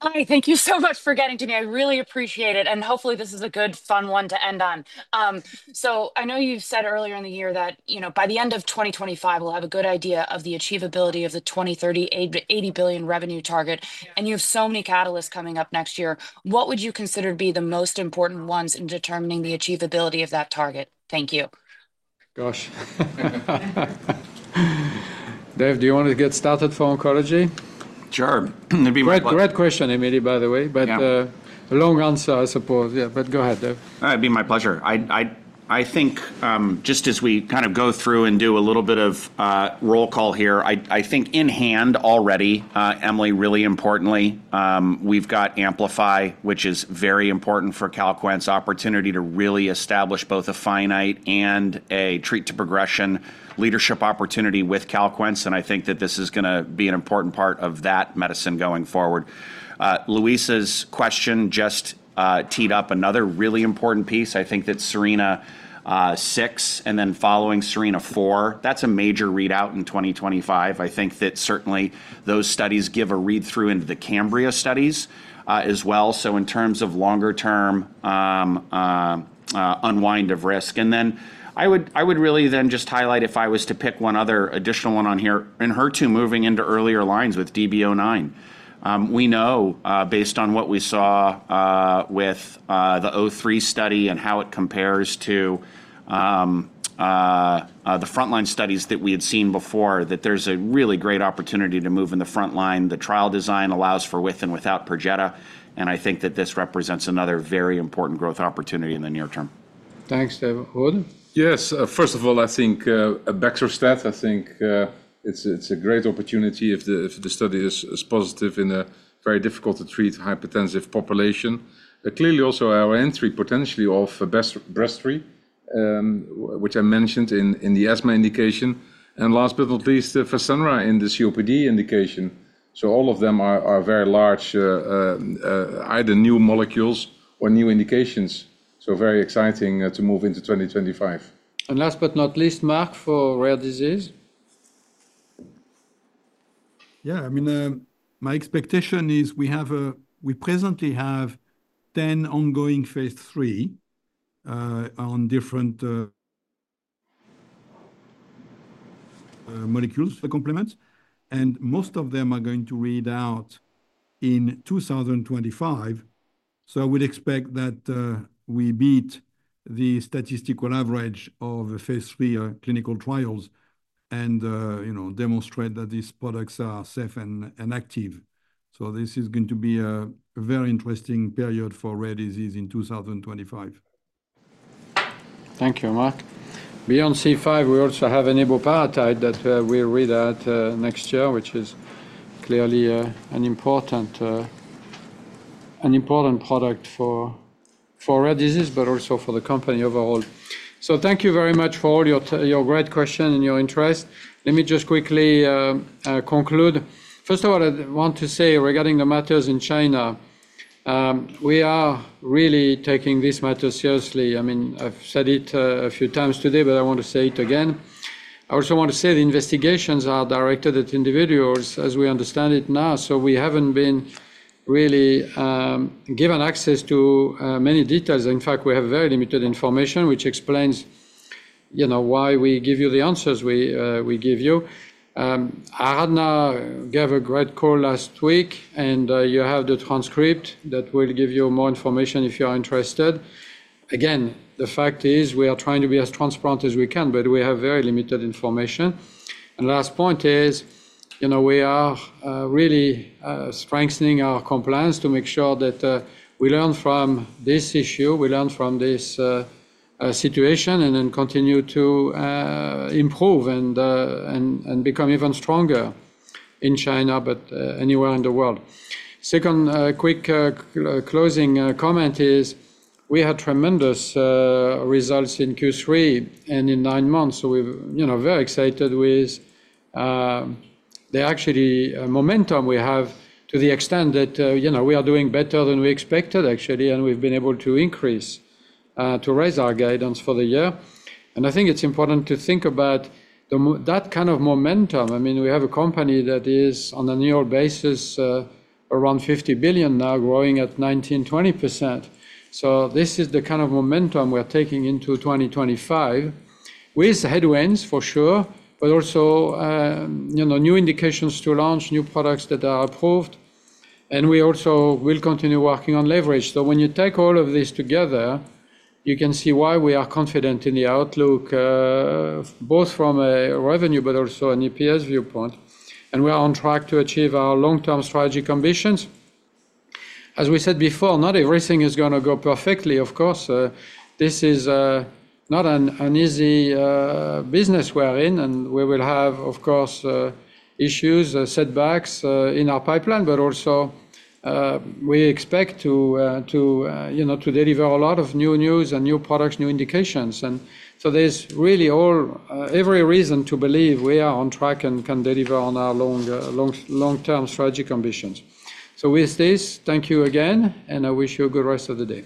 Hi, thank you so much for getting to me. I really appreciate it. And hopefully, this is a good, fun one to end on. So I know you said earlier in the year that by the end of 2025, we'll have a good idea of the achievability of the 2030 $80 billion revenue target. And you have so many catalysts coming up next year. What would you consider to be the most important ones in determining the achievability of that target? Thank you. Gosh. Dave, do you want to get started for oncology? Sure. It'd be my pleasure. Great question, Emily, by the way. But a long answer, I suppose. Yeah, but go ahead, Dave. It'd be my pleasure. I think just as we kind of go through and do a little bit of roll call here, I think in hand already, Emily, really importantly, we've got AMPLIFY, which is very important for Calquence, opportunity to really establish both a finite and a treat-to-progression leadership opportunity with Calquence. And I think that this is going to be an important part of that medicine going forward. Luisa's question just teed up another really important piece. I think that SERENA-6 and then following SERENA-4, that's a major readout in 2025. I think that certainly those studies give a read-through into the CAMBRIA studies as well. So in terms of longer-term unwind of risk. And then I would really then just highlight, if I was to pick one other additional one on here, Enhertu moving into earlier lines with DB09. We know, based on what we saw with the 03 study and how it compares to the frontline studies that we had seen before, that there's a really great opportunity to move in the frontline. The trial design allows for with and without Perjeta, and I think that this represents another very important growth opportunity in the near term. Thanks, Dave. Ruud? Yes. First of all, I think a baxdrostat, I think it's a great opportunity if the study is positive in a very difficult-to-treat hypertensive population. Clearly, also our entry potentially of Breztri, which I mentioned in the asthma indication. And last but not least, Fasenra in the COPD indication. So all of them are very large, either new molecules or new indications. So very exciting to move into 2025. Last but not least, Marc, for rare disease. Yeah, I mean, my expectation is we presently have 10 ongoing phase III on different molecules, the complements. And most of them are going to read out in 2025. So I would expect that we beat the statistical average of phase III clinical trials and demonstrate that these products are safe and active. So this is going to be a very interesting period for rare disease in 2025. Thank you, Marc. Beyond C5, we also have an eneboparatide that will read out next year, which is clearly an important product for rare disease, but also for the company overall. So thank you very much for all your great questions and your interest. Let me just quickly conclude. First of all, I want to say regarding the matters in China, we are really taking this matter seriously. I mean, I've said it a few times today, but I want to say it again. I also want to say the investigations are directed at individuals as we understand it now. So we haven't been really given access to many details. In fact, we have very limited information, which explains why we give you the answers we give you. We had a great call last week, and you have the transcript that will give you more information if you are interested. Again, the fact is we are trying to be as transparent as we can, but we have very limited information. Last point is we are really strengthening our compliance to make sure that we learn from this issue, we learn from this situation, and then continue to improve and become even stronger in China but anywhere in the world. Second quick closing comment is we had tremendous results in Q3 and in nine months. We're very excited with the actual momentum we have to the extent that we are doing better than we expected, actually, and we've been able to increase, to raise our guidance for the year. I think it's important to think about that kind of momentum. I mean, we have a company that is on a new basis around $50 billion now, growing at 19%-20%. This is the kind of momentum we're taking into 2025 with headwinds, for sure, but also new indications to launch new products that are approved. We also will continue working on leverage. When you take all of this together, you can see why we are confident in the outlook, both from a revenue, but also an EPS viewpoint. We are on track to achieve our long-term strategic ambitions. As we said before, not everything is going to go perfectly, of course. This is not an easy business we're in. We will have, of course, issues, setbacks in our pipeline, but also we expect to deliver a lot of new news and new products, new indications. There's really every reason to believe we are on track and can deliver on our long-term strategic ambitions. With this, thank you again, and I wish you a good rest of the day.